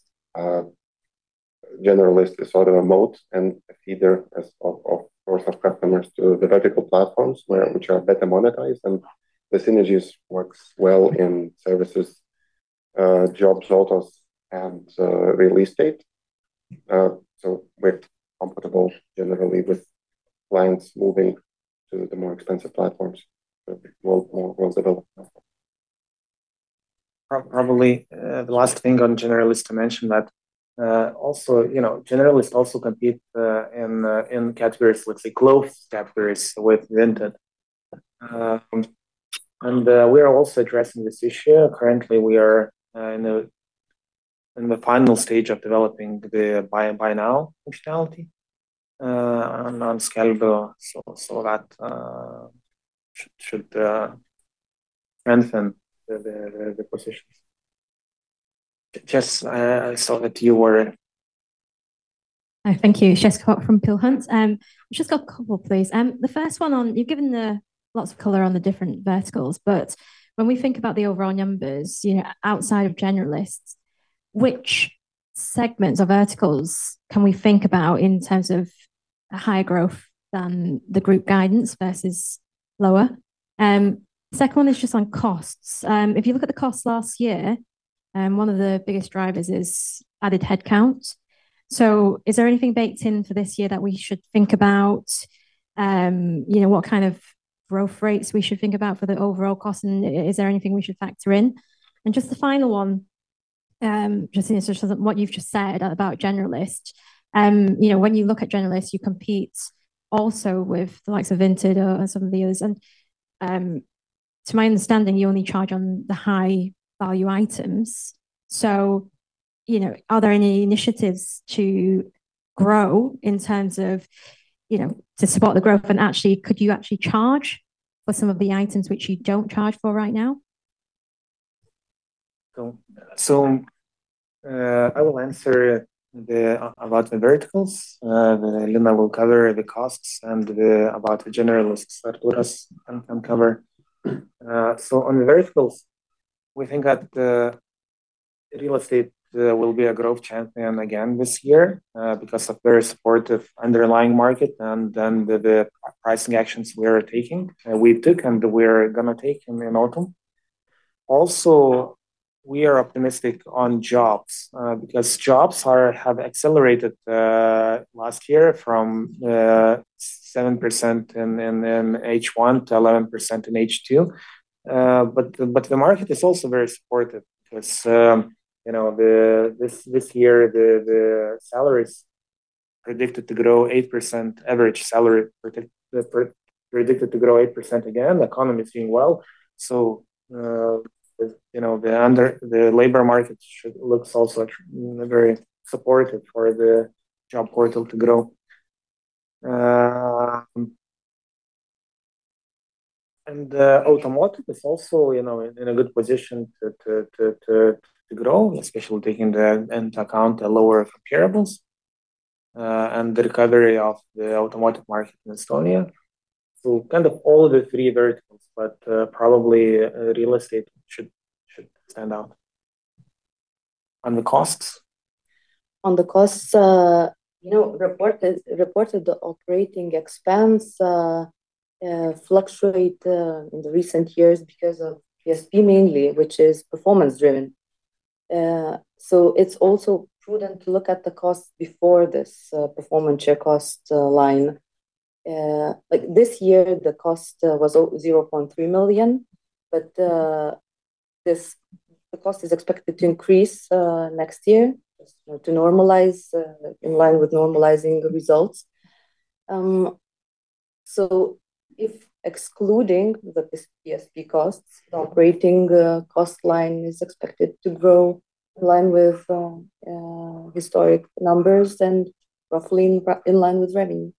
generalist is sort of a moat and a feeder as of course of customers to the vertical platforms which are better monetized. The synergies works well in services, jobs, autos, and real estate. We're comfortable generally with clients moving to the more expensive platforms more available. Probably the last thing on generalist to mention that also generalists also compete in categories, let's say clothes categories with Vinted. We are also addressing this issue. Currently, we are in the final stage of developing the buy now functionality on Skelbiu. That should strengthen the positions. Jess, I saw that you were Hi. Thank you. Jess Pok from Peel Hunt. I've just got a couple, please. The first one on, you've given lots of color on the different verticals, but when we think about the overall numbers outside of generalists, which segments or verticals can we think about in terms of higher growth than the group guidance versus lower? Second one is just on costs. If you look at the costs last year, one of the biggest drivers is added headcount. Is there anything baked in for this year that we should think about? What kind of growth rates we should think about for the overall cost, and is there anything we should factor in? Just the final one, just in terms of what you've just said about generalist. When you look at generalists, you compete also with the likes of Vinted or some of the others. To my understanding, you only charge on the high value items. Are there any initiatives to grow in terms of to support the growth and actually could you actually charge for some of the items which you don't charge for right now? I will answer about the verticals. Lina will cover the costs and about the generalists that Artūras can cover. On the verticals, we think that the real estate will be a growth champion again this year because of very supportive underlying market and then the pricing actions we are taking, we took and we're going to take in the autumn. Also, we are optimistic on jobs because jobs have accelerated last year from 7% in H1 to 11% in H2. The market is also very supportive because this year the average salary predicted to grow 8% again. The economy is doing well. The labor market looks also very supportive for the job portal to grow. Automotive is also in a good position to grow, especially taking into account the lower comparables The recovery of the automotive market in Estonia. Kind of all the three verticals, but probably real estate should stand out. On the costs? On the costs, reported the operating expense fluctuate in the recent years because of PSP mainly, which is performance driven. It is also prudent to look at the cost before this performance share cost line. This year the cost was 0.3 million, the cost is expected to increase next year just to normalize in line with normalizing the results. If excluding the PSP costs, operating cost line is expected to grow in line with historic numbers and roughly in line with revenue.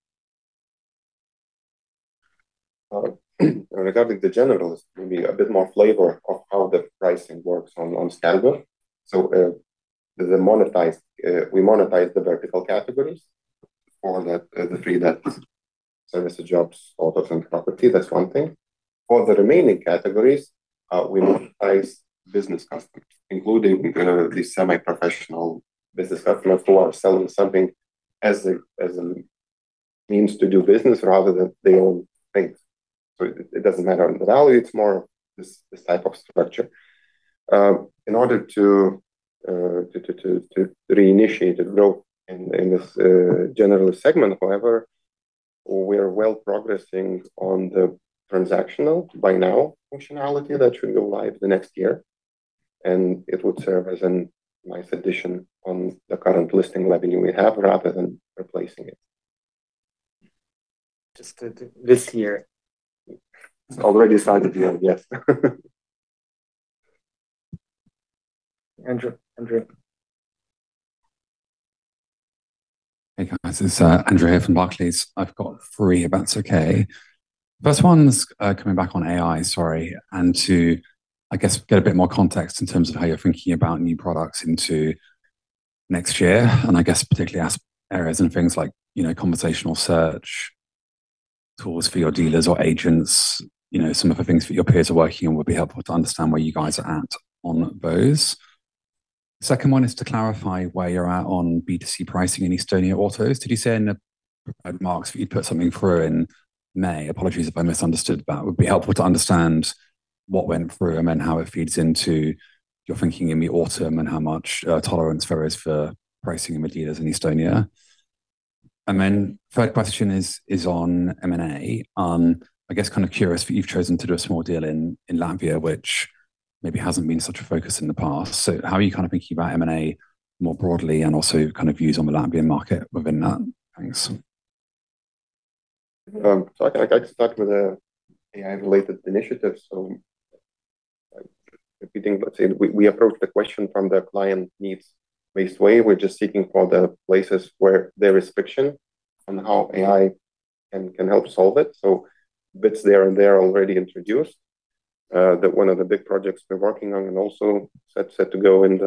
Regarding the generalist, maybe a bit more flavor of how the pricing works on Skelbiu. We monetize the vertical categories for the three that service the jobs, autos, and property. That is one thing. For the remaining categories, we monetize business customers, including the semi-professional business customer who are selling something as a means to do business rather than their own things. It does not matter on the value, it is more this type of structure. In order to reinitiate the growth in this generalist segment, however, we are well progressing on the transactional buy now functionality that should go live next year, and it would serve as a nice addition on the current listing revenue we have rather than replacing it. Just this year. It is already signed this year, yes. Andrew. Hey, guys. It's Andrew here from Barclays. I've got three, if that's okay. First one's coming back on AI, sorry, and to, I guess, get a bit more context in terms of how you're thinking about new products into next year, and I guess particularly areas and things like conversational search tools for your dealers or agents. Some of the things that your peers are working on would be helpful to understand where you guys are at on those. Second one is to clarify where you're at on B2C pricing in Estonia autos. Did you say in the prepared remarks that you'd put something through in May? Apologies if I misunderstood. That would be helpful to understand what went through and then how it feeds into your thinking in the autumn and how much tolerance there is for pricing with dealers in Estonia. Third question is on M&A. I guess kind of curious that you've chosen to do a small deal in Latvia, which maybe hasn't been such a focus in the past. How are you kind of thinking about M&A more broadly and also kind of views on the Latvian market within that? Thanks. I'd like to start with the AI related initiatives. Repeating, let's say we approach the question from the client needs based way. We're just seeking for the places where there is friction and how AI can help solve it. Bits there and there already introduced, that one of the big projects we're working on and also set to go in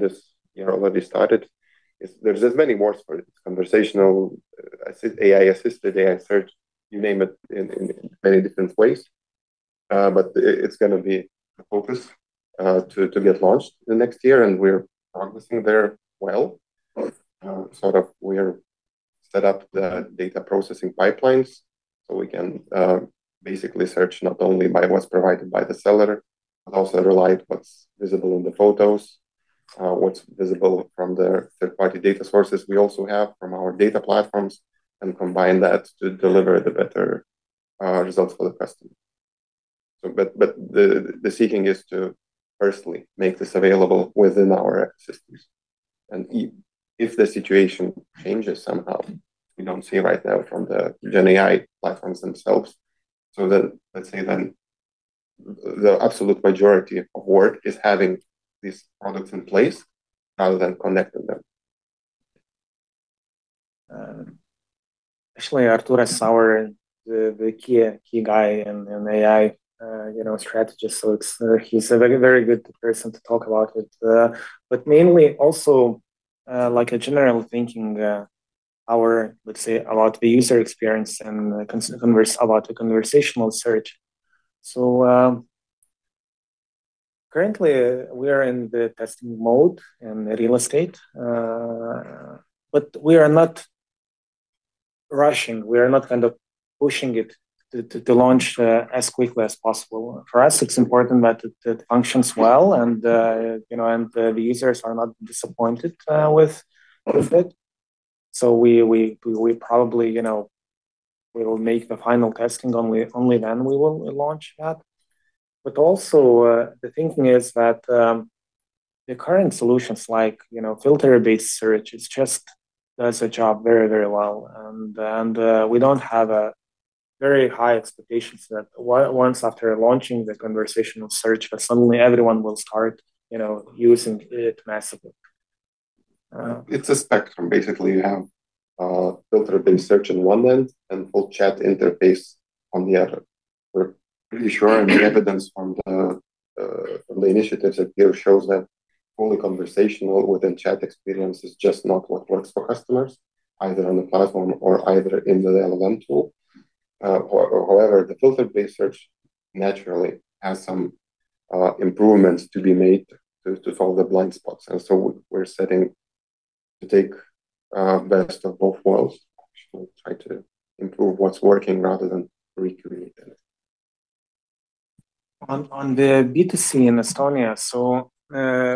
this year already started, is there's many more conversational AI assisted, AI search, you name it, in many different ways. It's going to be the focus to get launched the next year, and we're progressing there well. Sort of we're set up the data processing pipelines so we can basically search not only by what's provided by the seller, but also rely what's visible in the photos, what's visible from the third party data sources we also have from our data platforms, and combine that to deliver the better results for the customer. The seeking is to firstly make this available within our systems and if the situation changes somehow, we don't see right now from the Gen AI platforms themselves. Let's say then the absolute majority of work is having these products in place rather than connecting them. Artūras Saur the key guy in AI strategies. He's a very good person to talk about it. Mainly also like a general thinking, let's say about the user experience and about the conversational search. Currently we are in the testing mode in real estate. We are not rushing, we are not kind of pushing it to launch as quickly as possible. For us, it's important that it functions well and the users are not disappointed with it. We probably will make the final testing, only then we will launch that. Also the thinking is that the current solutions like filter-based search, it just does the job very well. We don't have very high expectations that once after launching the conversational search that suddenly everyone will start using it massively. It's a spectrum. Basically, you have filter-based search on one end and full chat interface on the other. We're pretty sure, and the evidence from the initiatives at Peel shows that fully conversational within chat experience is just not what works for customers, either on the platform or either in the LLM tool. However, the filter-based search naturally has some improvements to be made to follow the blind spots. We're setting to take best of both worlds, actually try to improve what's working rather than recreate it. On the B2C in Estonia,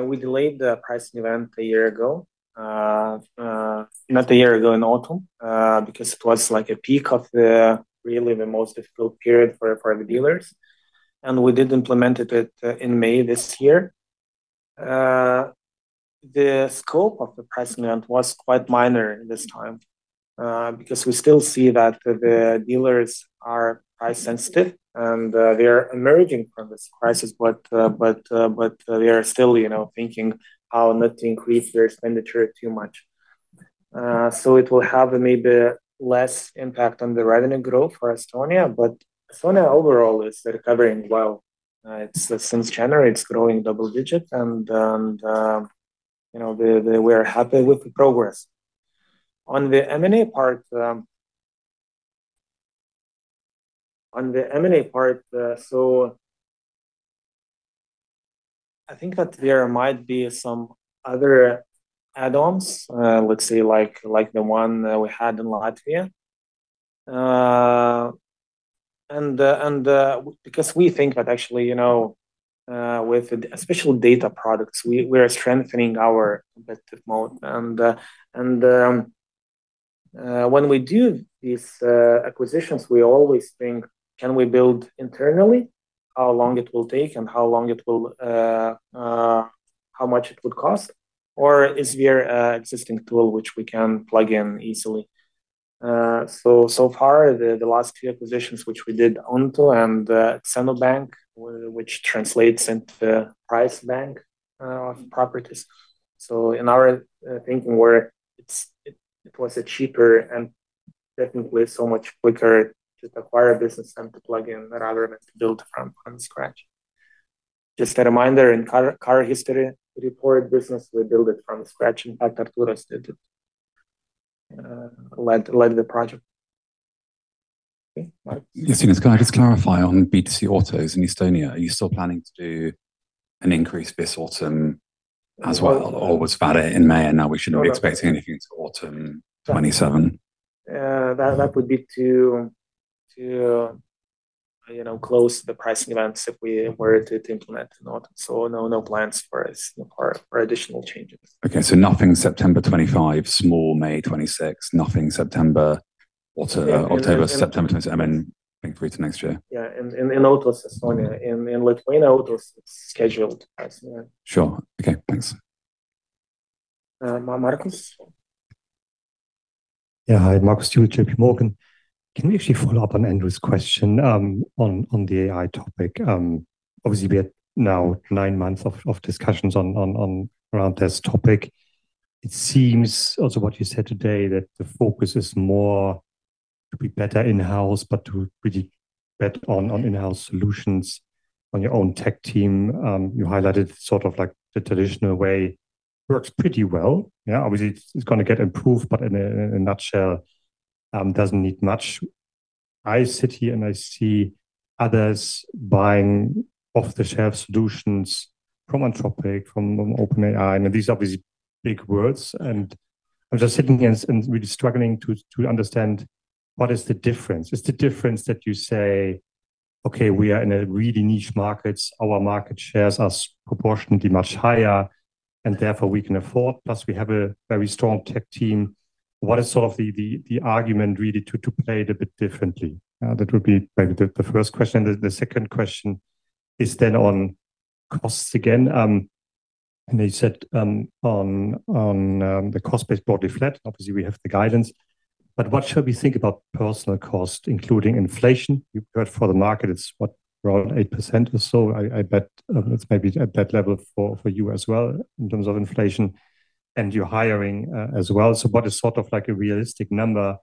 we delayed the pricing event a year ago. Not a year ago, in autumn, because it was like a peak of the really the most difficult period for the dealers, we did implement it in May this year. The scope of the pricing event was quite minor this time, because we still see that the dealers are price sensitive and they're emerging from this crisis, but they are still thinking how not to increase their expenditure too much. It will have maybe less impact on the revenue growth for Estonia. Estonia overall is recovering well. Since January, it's growing double digit and we're happy with the progress. On the M&A part, I think that there might be some other add-ons, let's say like the one we had in Latvia. We think that actually with especially data products, we are strengthening our competitive mode and when we do these acquisitions, we always think, can we build internally? How long it will take and how much it would cost? Or is there existing tool which we can plug in easily? Far the last few acquisitions which we did, Untu and Cenu Banka, which translates into price bank of properties. In our thinking where it was a cheaper and technically so much quicker to acquire a business and to plug in rather than to build from scratch. Just a reminder, in car history report business, we build it from scratch. In fact, Artūras did it, led the project. Justinas, can I just clarify on B2C autos in Estonia, are you still planning to do an increase this autumn as well, or was that it in May and now we should not be expecting anything to autumn 2027? That would be to close the pricing events if we were to implement in autumn. No plans for additional changes. Okay. Nothing September 2025, small May 2026, nothing September, October, September, I mean, think through to next year. Yeah. In autos Estonia. In Lithuania, autos is scheduled pricing event. Sure. Okay, thanks. Marcus? Yeah. Hi, Marcus Stewart, JPMorgan. Can we actually follow up on Andrew's question on the AI topic? Obviously we had now nine months of discussions around this topic. It seems also what you said today, that the focus is more to be better in-house, but to really bet on in-house solutions on your own tech team. You highlighted sort of like the traditional way works pretty well. Yeah, obviously it's going to get improved, but in a nutshell, doesn't need much. I sit here and I see others buying off-the-shelf solutions from Anthropic, from OpenAI. I mean, these are obviously big words and I'm just sitting here and really struggling to understand what is the difference. Is the difference that you say, "Okay, we are in a really niche markets, our market shares are proportionately much higher and therefore we can afford, plus we have a very strong tech team." What is sort of the argument really to play it a bit differently? The second question is then on costs again. They said on the cost base broadly flat, obviously we have the guidance, but what should we think about personal cost, including inflation? You've heard for the market it's what, around 8% or so. I bet it's maybe at that level for you as well in terms of inflation and your hiring as well. So what is sort of like a realistic number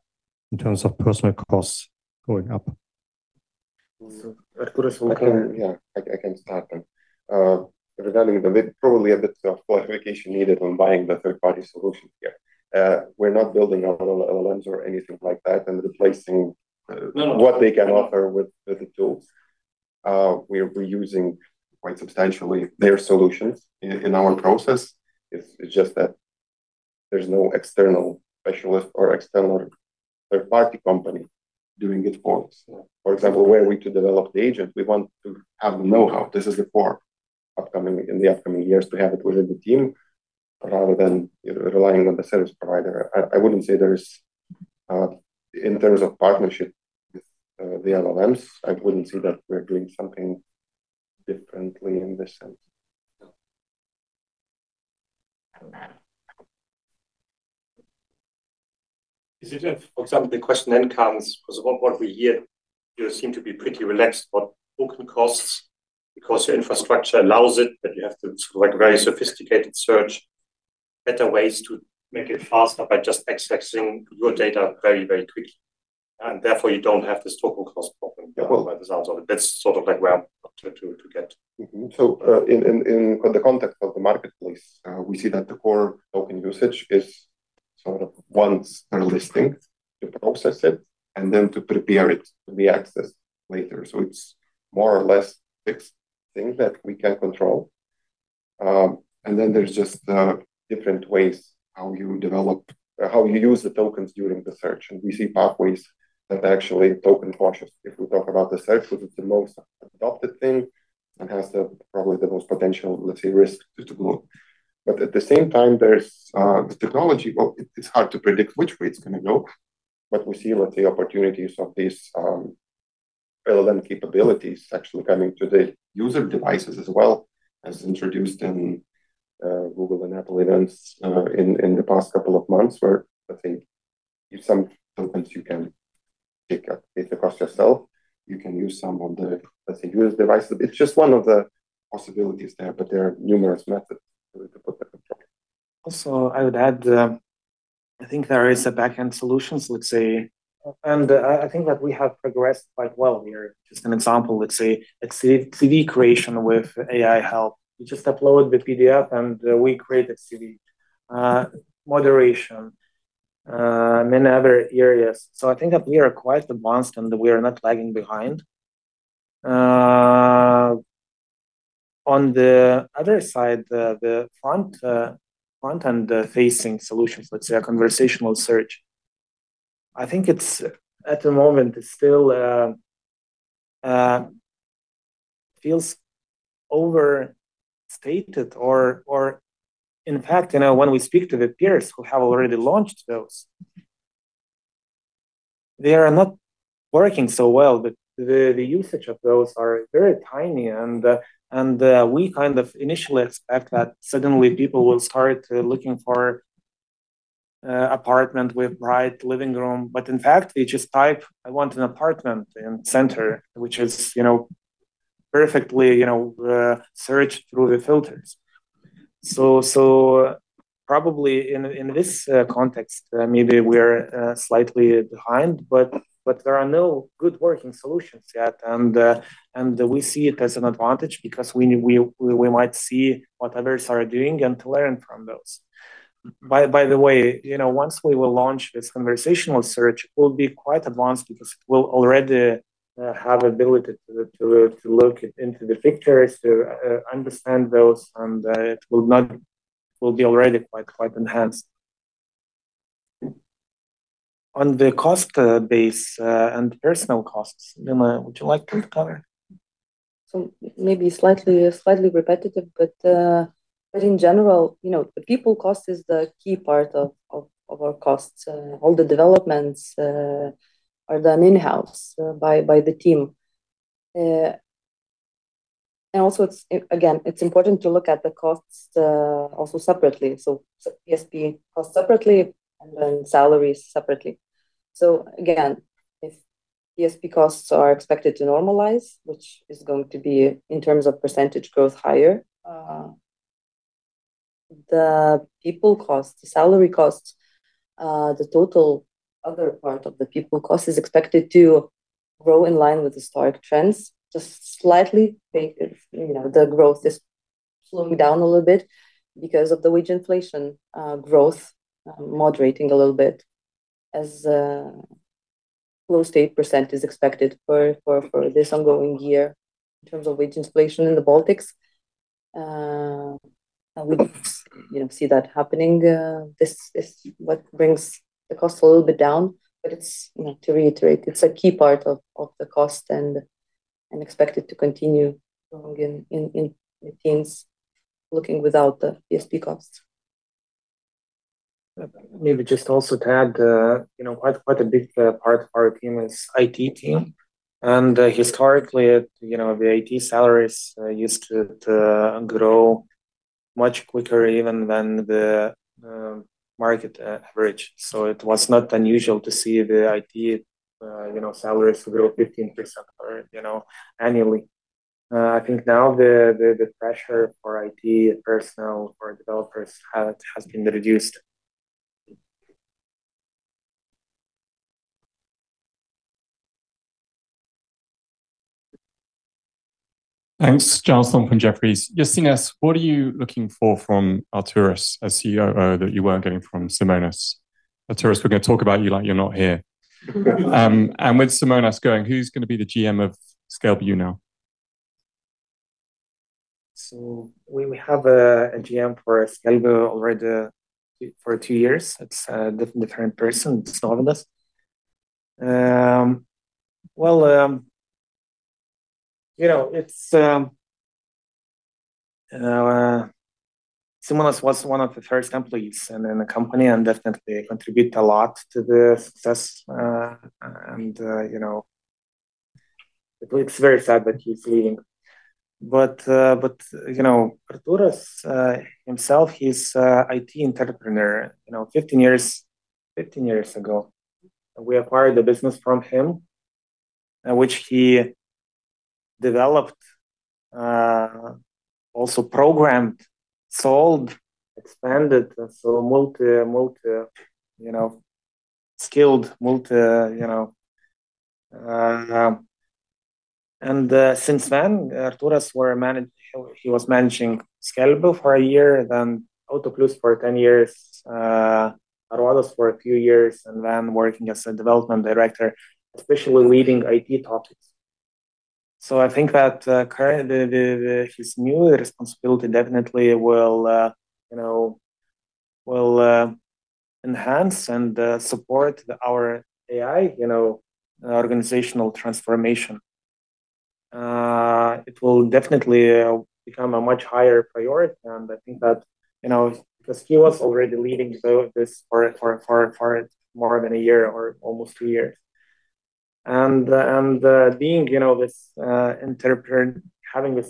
in terms of personal costs going up? Artūras. Yeah, I can start then. Regarding the bit, probably a bit of clarification needed on buying the third party solution here. We're not building our LLMs or anything like that and replacing what they can offer with the tools. We are reusing quite substantially their solutions in our own process. It's just that there's no external specialist or external third party company doing it for us. For example, were we to develop the agent, we want to have the know-how, this is for in the upcoming years to have it within the team rather than relying on the service provider. I wouldn't say there is, in terms of partnership with the LLMs, I wouldn't say that we're doing something differently in this sense. No. Is it if, for example, the question then comes because what we hear, you seem to be pretty relaxed about open costs because your infrastructure allows it, that you have to provide very sophisticated search? Better ways to make it faster by just accessing your data very, very quickly. Therefore you don't have this token cost problem. Yeah by the sounds of it. That's sort of where I'm trying to get. Mm-hmm. In the context of the marketplace, we see that the core token usage is sort of once per listing to process it, and then to prepare it to be accessed later. It's more or less fixed thing that we can control. There's just different ways how you use the tokens during the search. We see pathways that are actually token cautious. If we talk about the search, because it's the most adopted thing and has probably the most potential, let's say, risk to go. At the same time, there's the technology, well, it's hard to predict which way it's going to go, but we see let's say opportunities of these LLM capabilities actually coming to the user devices as well as introduced in Google and Apple events in the past couple of months, where I think if some tokens you can pick up data cost yourself, you can use some of the, let's say, user devices. It's just one of the possibilities there, but there are numerous methods to put that in play. Also, I would add, I think there is a backend solutions, let's say, and I think that we have progressed quite well here. Just an example, let's say a CV creation with AI help. You just upload the PDF and we create a CV. Moderation, many other areas. I think that we are quite advanced, and we are not lagging behind. On the other side, the front-end facing solutions, let's say a conversational search. I think at the moment it still feels overstated or in fact, when we speak to the peers who have already launched those, they are not working so well. The usage of those are very tiny and we kind of initially expect that suddenly people will start looking for apartment with bright living room. In fact they just type, "I want an apartment in center," which is perfectly searched through the filters. Probably in this context maybe we're slightly behind, but there are no good working solutions yet. We see it as an advantage because we might see what others are doing and to learn from those. By the way, once we will launch this conversational search, we'll be quite advanced because we'll already have ability to look into the pictures, to understand those, and it will be already quite enhanced. On the cost base and personal costs. Lina, would you like to cover? Maybe slightly repetitive, but in general the people cost is the key part of our costs. All the developments are done in-house by the team. Also again, it's important to look at the costs also separately. PSP costs separately and then salaries separately. Again, if PSP costs are expected to normalize, which is going to be in terms of percentage growth higher, the people cost, the salary cost, the total other part of the people cost is expected to grow in line with historic trends. Just slightly, the growth is slowing down a little bit because of the wage inflation growth moderating a little bit as close to 8% is expected for this ongoing year in terms of wage inflation in the Baltics. We see that happening. This is what brings the cost a little bit down, but to reiterate, it's a key part of the cost and expected to continue going in routines looking without the PSP costs. Maybe just also to add quite a big part of our team is IT team, historically the IT salaries used to grow much quicker even than the market average. It was not unusual to see the IT salaries grow 15% annually. I think now the pressure for IT personnel, for developers has been reduced. Thanks. Giles Thorne, from Jefferies. Justinas, what are you looking for from Artūras as COO that you weren't getting from Simonas? Artūras, we're going to talk about you like you're not here. With Simonas going, who's going to be the GM of Skelbiu now? We have a GM for Skelbiu already for two years. It is a different person. It is not with us. Simonas was one of the first employees in the company and definitely contributed a lot to the success. It is very sad that he is leaving. Artūras himself, he is an IT entrepreneur. 15 years ago, we acquired the business from him, which he developed, also programmed, sold, expanded, and multi-skilled. Since then, Artūras, he was managing Skelbiu for a year, then Autoplius for 10 years, Aruodas for a few years, and then working as a development director, especially leading IT topics. I think that currently, his new responsibility definitely will enhance and support our AI organizational transformation. It will definitely become a much higher priority, and I think that because he was already leading both for more than a year or almost two years. Having this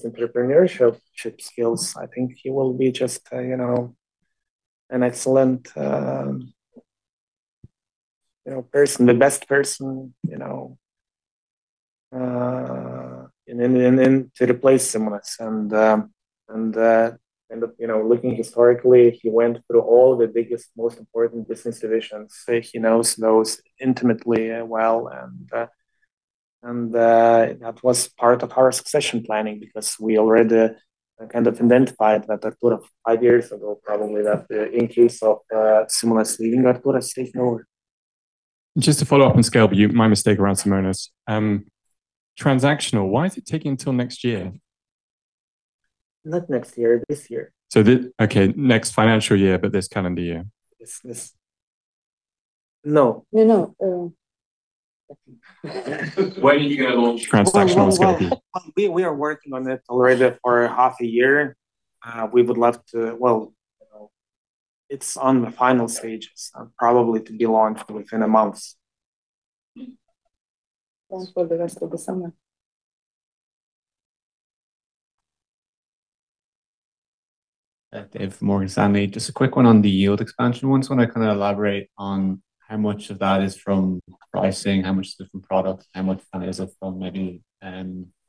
entrepreneurship skills, I think he will be just an excellent person, the best person to replace Simonas. Looking historically, he went through all the biggest, most important business divisions. He knows those intimately well, and that was part of our succession planning because we already kind of identified that Artūras five years ago, probably that in case of Simonas leaving, Artūras is now. Just to follow up on Skelbiu, my mistake around Simonas. Transactional, why is it taking till next year? Not next year, this year. Okay, next financial year, but this calendar year. This No. No, no. When are you going to launch- Transactional Skelbiu. We are working on it already for half a year. It's on the final stages, probably to be launched within a month. For the rest of the summer. David Morgan Stanley. Just a quick one on the yield expansion ones. When I kind of elaborate on how much of that is from pricing, how much is different product, how much of that is it from maybe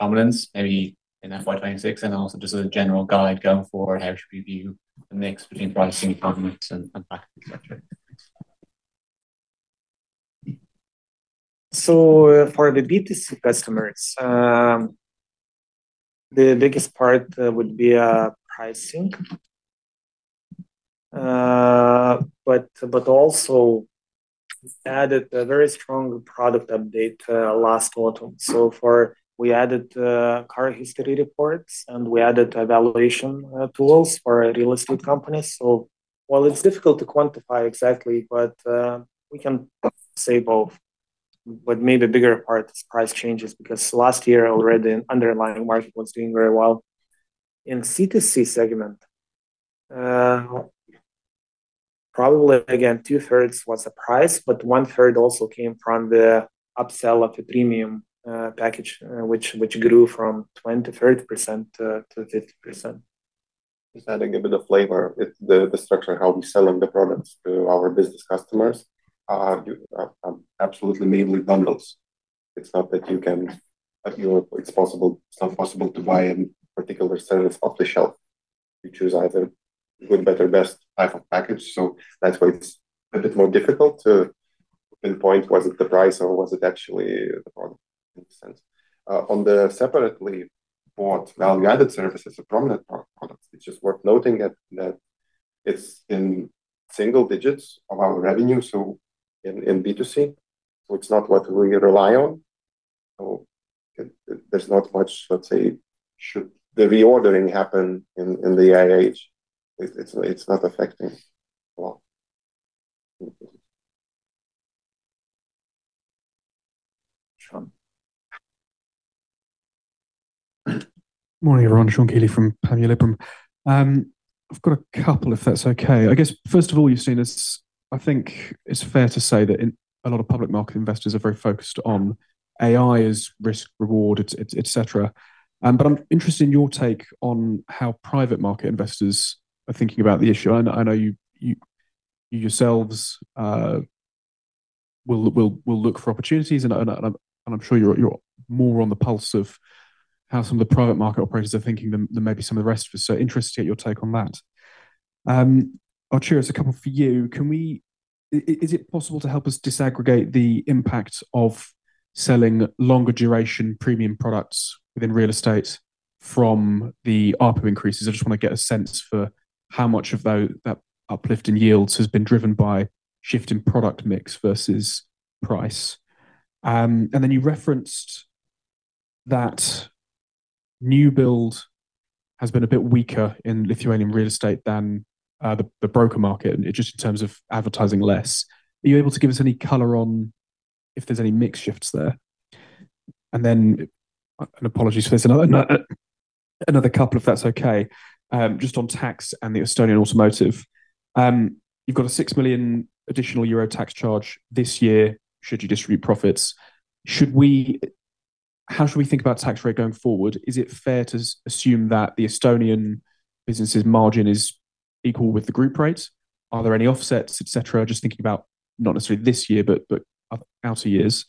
dominance, maybe in FY 2026? Also just as a general guide going forward, how should we view the mix between pricing components and products, et cetera? For the B2C customers, the biggest part would be pricing. Also added a very strong product update last autumn. We added car history reports and we added evaluation tools for real estate companies. While it's difficult to quantify exactly, we can say both, but maybe bigger part is price changes because last year already underlying market was doing very well. In C2C segment, probably again, two-thirds was the price, but one-third also came from the upsell of the premium package, which grew from 20%, 30% to 50%. Just adding a bit of flavor with the structure of how we're selling the products to our business customers are absolutely mainly bundles. It's not possible to buy any particular service off the shelf. You choose either good, better, best type of package. That's why it's a bit more difficult to pinpoint was it the price or was it actually the product in a sense. On the separately bought value-added services or prominent products, it's just worth noting that it's in single digits of our revenue, so in B2C. It's not what we rely on. There's not much, let's say, should the reordering happen in the AI age, it's not affecting a lot. Sean. Morning, everyone. Sean Kealy from Panmure Liberum. I've got a couple if that's okay. I guess first of all, you've seen this, I think it's fair to say that a lot of public market investors are very focused on AI as risk reward, et cetera. I'm interested in your take on how private market investors are thinking about the issue. I know you yourselves will look for opportunities, and I'm sure you're more on the pulse of how some of the private market operators are thinking than maybe some of the rest of us. Interested to get your take on that. Artūras, a couple for you. Is it possible to help us disaggregate the impact of selling longer duration premium products within real estate from the ARPU increases? I just want to get a sense for how much of that uplift in yields has been driven by shift in product mix versus price. You referenced that new build has been a bit weaker in Lithuanian real estate than the broker market, and just in terms of advertising less. Are you able to give us any color on if there's any mix shifts there? An apologies for this, another couple if that's okay. Just on tax and the Estonian automotive. You've got a 6 million euro additional tax charge this year, should you distribute profits. How should we think about tax rate going forward? Is it fair to assume that the Estonian business' margin is equal with the group rates, are there any offsets, et cetera? Just thinking about not necessarily this year, but other outer years.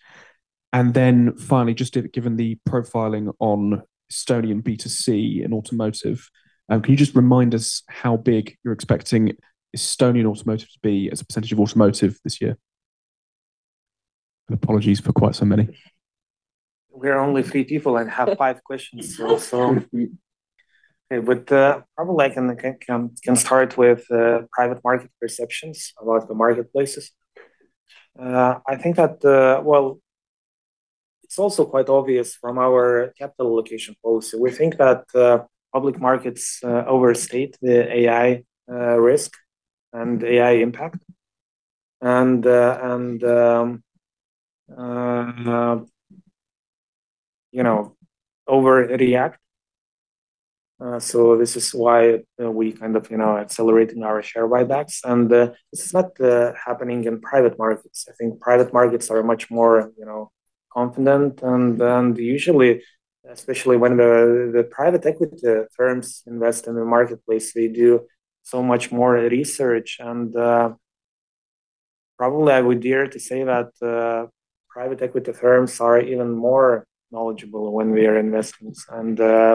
Finally, just given the profiling on Estonian B2C in automotive, can you just remind us how big you're expecting Estonian automotive to be as a percentage of automotive this year? Apologies for quite so many. We are only three people and have five questions. Okay. Probably I can start with private market perceptions about the marketplaces. I think that, well, it's also quite obvious from our capital allocation policy. We think that public markets overstate the AI risk and AI impact and overreact. This is why we're accelerating our share buybacks, and this is not happening in private markets. I think private markets are much more confident and usually, especially when the private equity firms invest in the marketplace, they do so much more research. Probably I would dare to say that private equity firms are even more knowledgeable when we are investments and their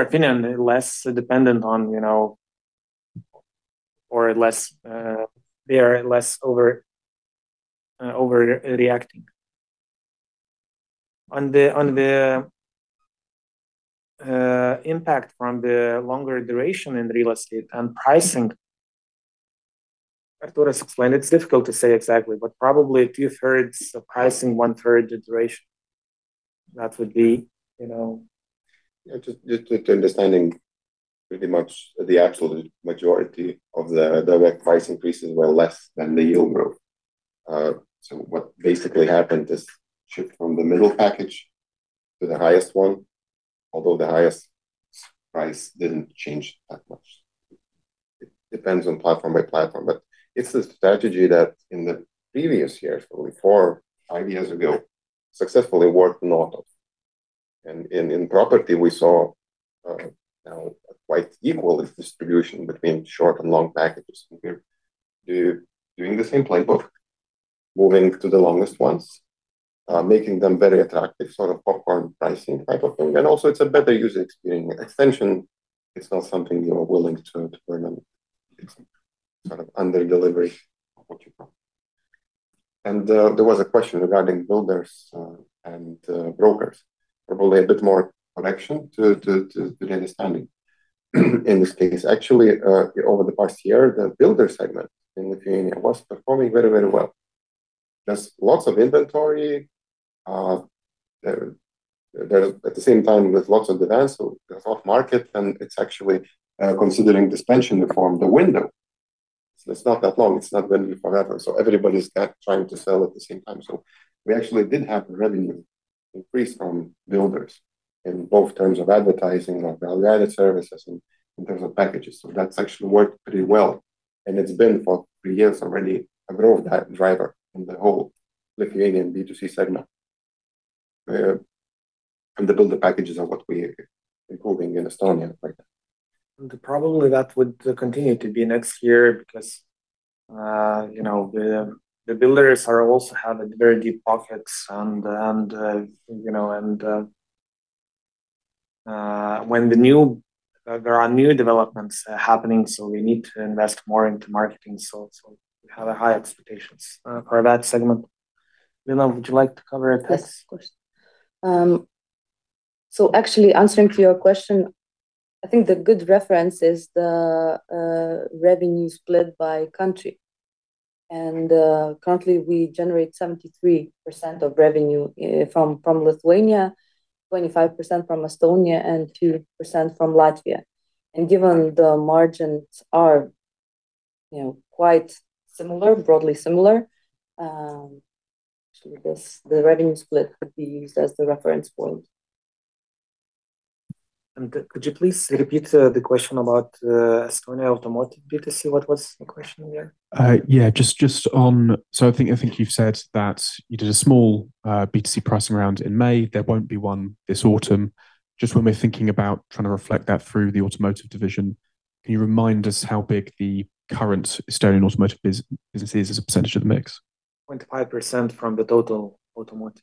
opinion less dependent on or they are less overreacting. On the impact from the longer duration in real estate and pricing, Artūras explained it's difficult to say exactly, but probably two-thirds of pricing, one-third duration. That would be you know. Just to understanding pretty much the absolute majority of the direct price increases were less than the yield growth. What basically happened is shift from the middle package to the highest one, although the highest price didn't change that much. It depends on platform by platform, but it's the strategy that in the previous years, probably four, five years ago, successfully worked in Auto. In property we saw now quite equal distribution between short and long packages and we're doing the same playbook, moving to the longest ones, making them very attractive sort of popcorn pricing type of thing. Also it's a better user experience. Extension is not something you're willing to burn on. It's sort of under delivery of what you promised. There was a question regarding builders and brokers. Probably a bit more connection to the understanding in this case. Actually, over the past year, the builder segment in Lithuania was performing very well. There is lots of inventory. At the same time with lots of demand, so there is off market and it is actually considering this pension reform the window. It is not that long, it is not going to be forever. Everybody is trying to sell at the same time. We actually did have revenue increase from builders in both terms of advertising or value-added services and in terms of packages. That is actually worked pretty well and it has been for three years already a growth driver in the whole Lithuanian B2C segment and the builder packages are what we are improving in Estonia right now. Probably that would continue to be next year because the builders also have very deep pockets and when there are new developments happening, we need to invest more into marketing. We have high expectations for that segment. Lina, would you like to cover it? Yes, of course. Actually answering to your question, I think the good reference is the revenue split by country. Currently we generate 73% of revenue from Lithuania, 25% from Estonia, and 2% from Latvia. Given the margins are quite broadly similar, actually this, the revenue split could be used as the reference point. Could you please repeat the question about Estonia automotive B2C? What was the question there? Yeah. I think you've said that you did a small B2C pricing round in May. There won't be one this autumn. Just when we're thinking about trying to reflect that through the automotive division, can you remind us how big the current Estonian automotive business is as a percentage of the mix? 25% from the total automotive.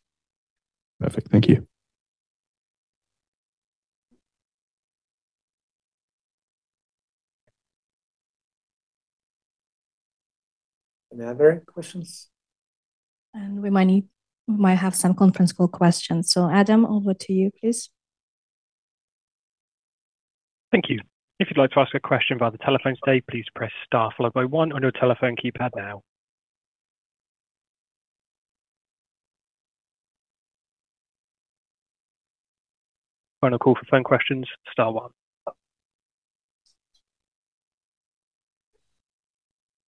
Perfect. Thank you. Any other questions? We might have some conference call questions. Adam, over to you, please. Thank you. If you'd like to ask a question via the telephone today, please press star followed by one on your telephone keypad now. Final call for phone questions, star one.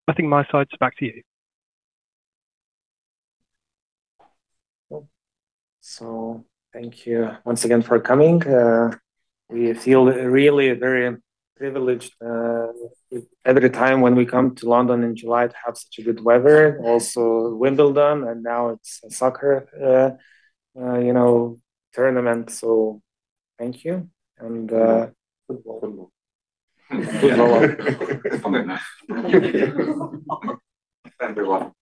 Nothing my side, back to you. Cool. Thank you once again for coming. We feel really very privileged every time when we come to London in July to have such good weather. Also Wimbledon and now it's a soccer tournament, thank you and- Football. Everyone.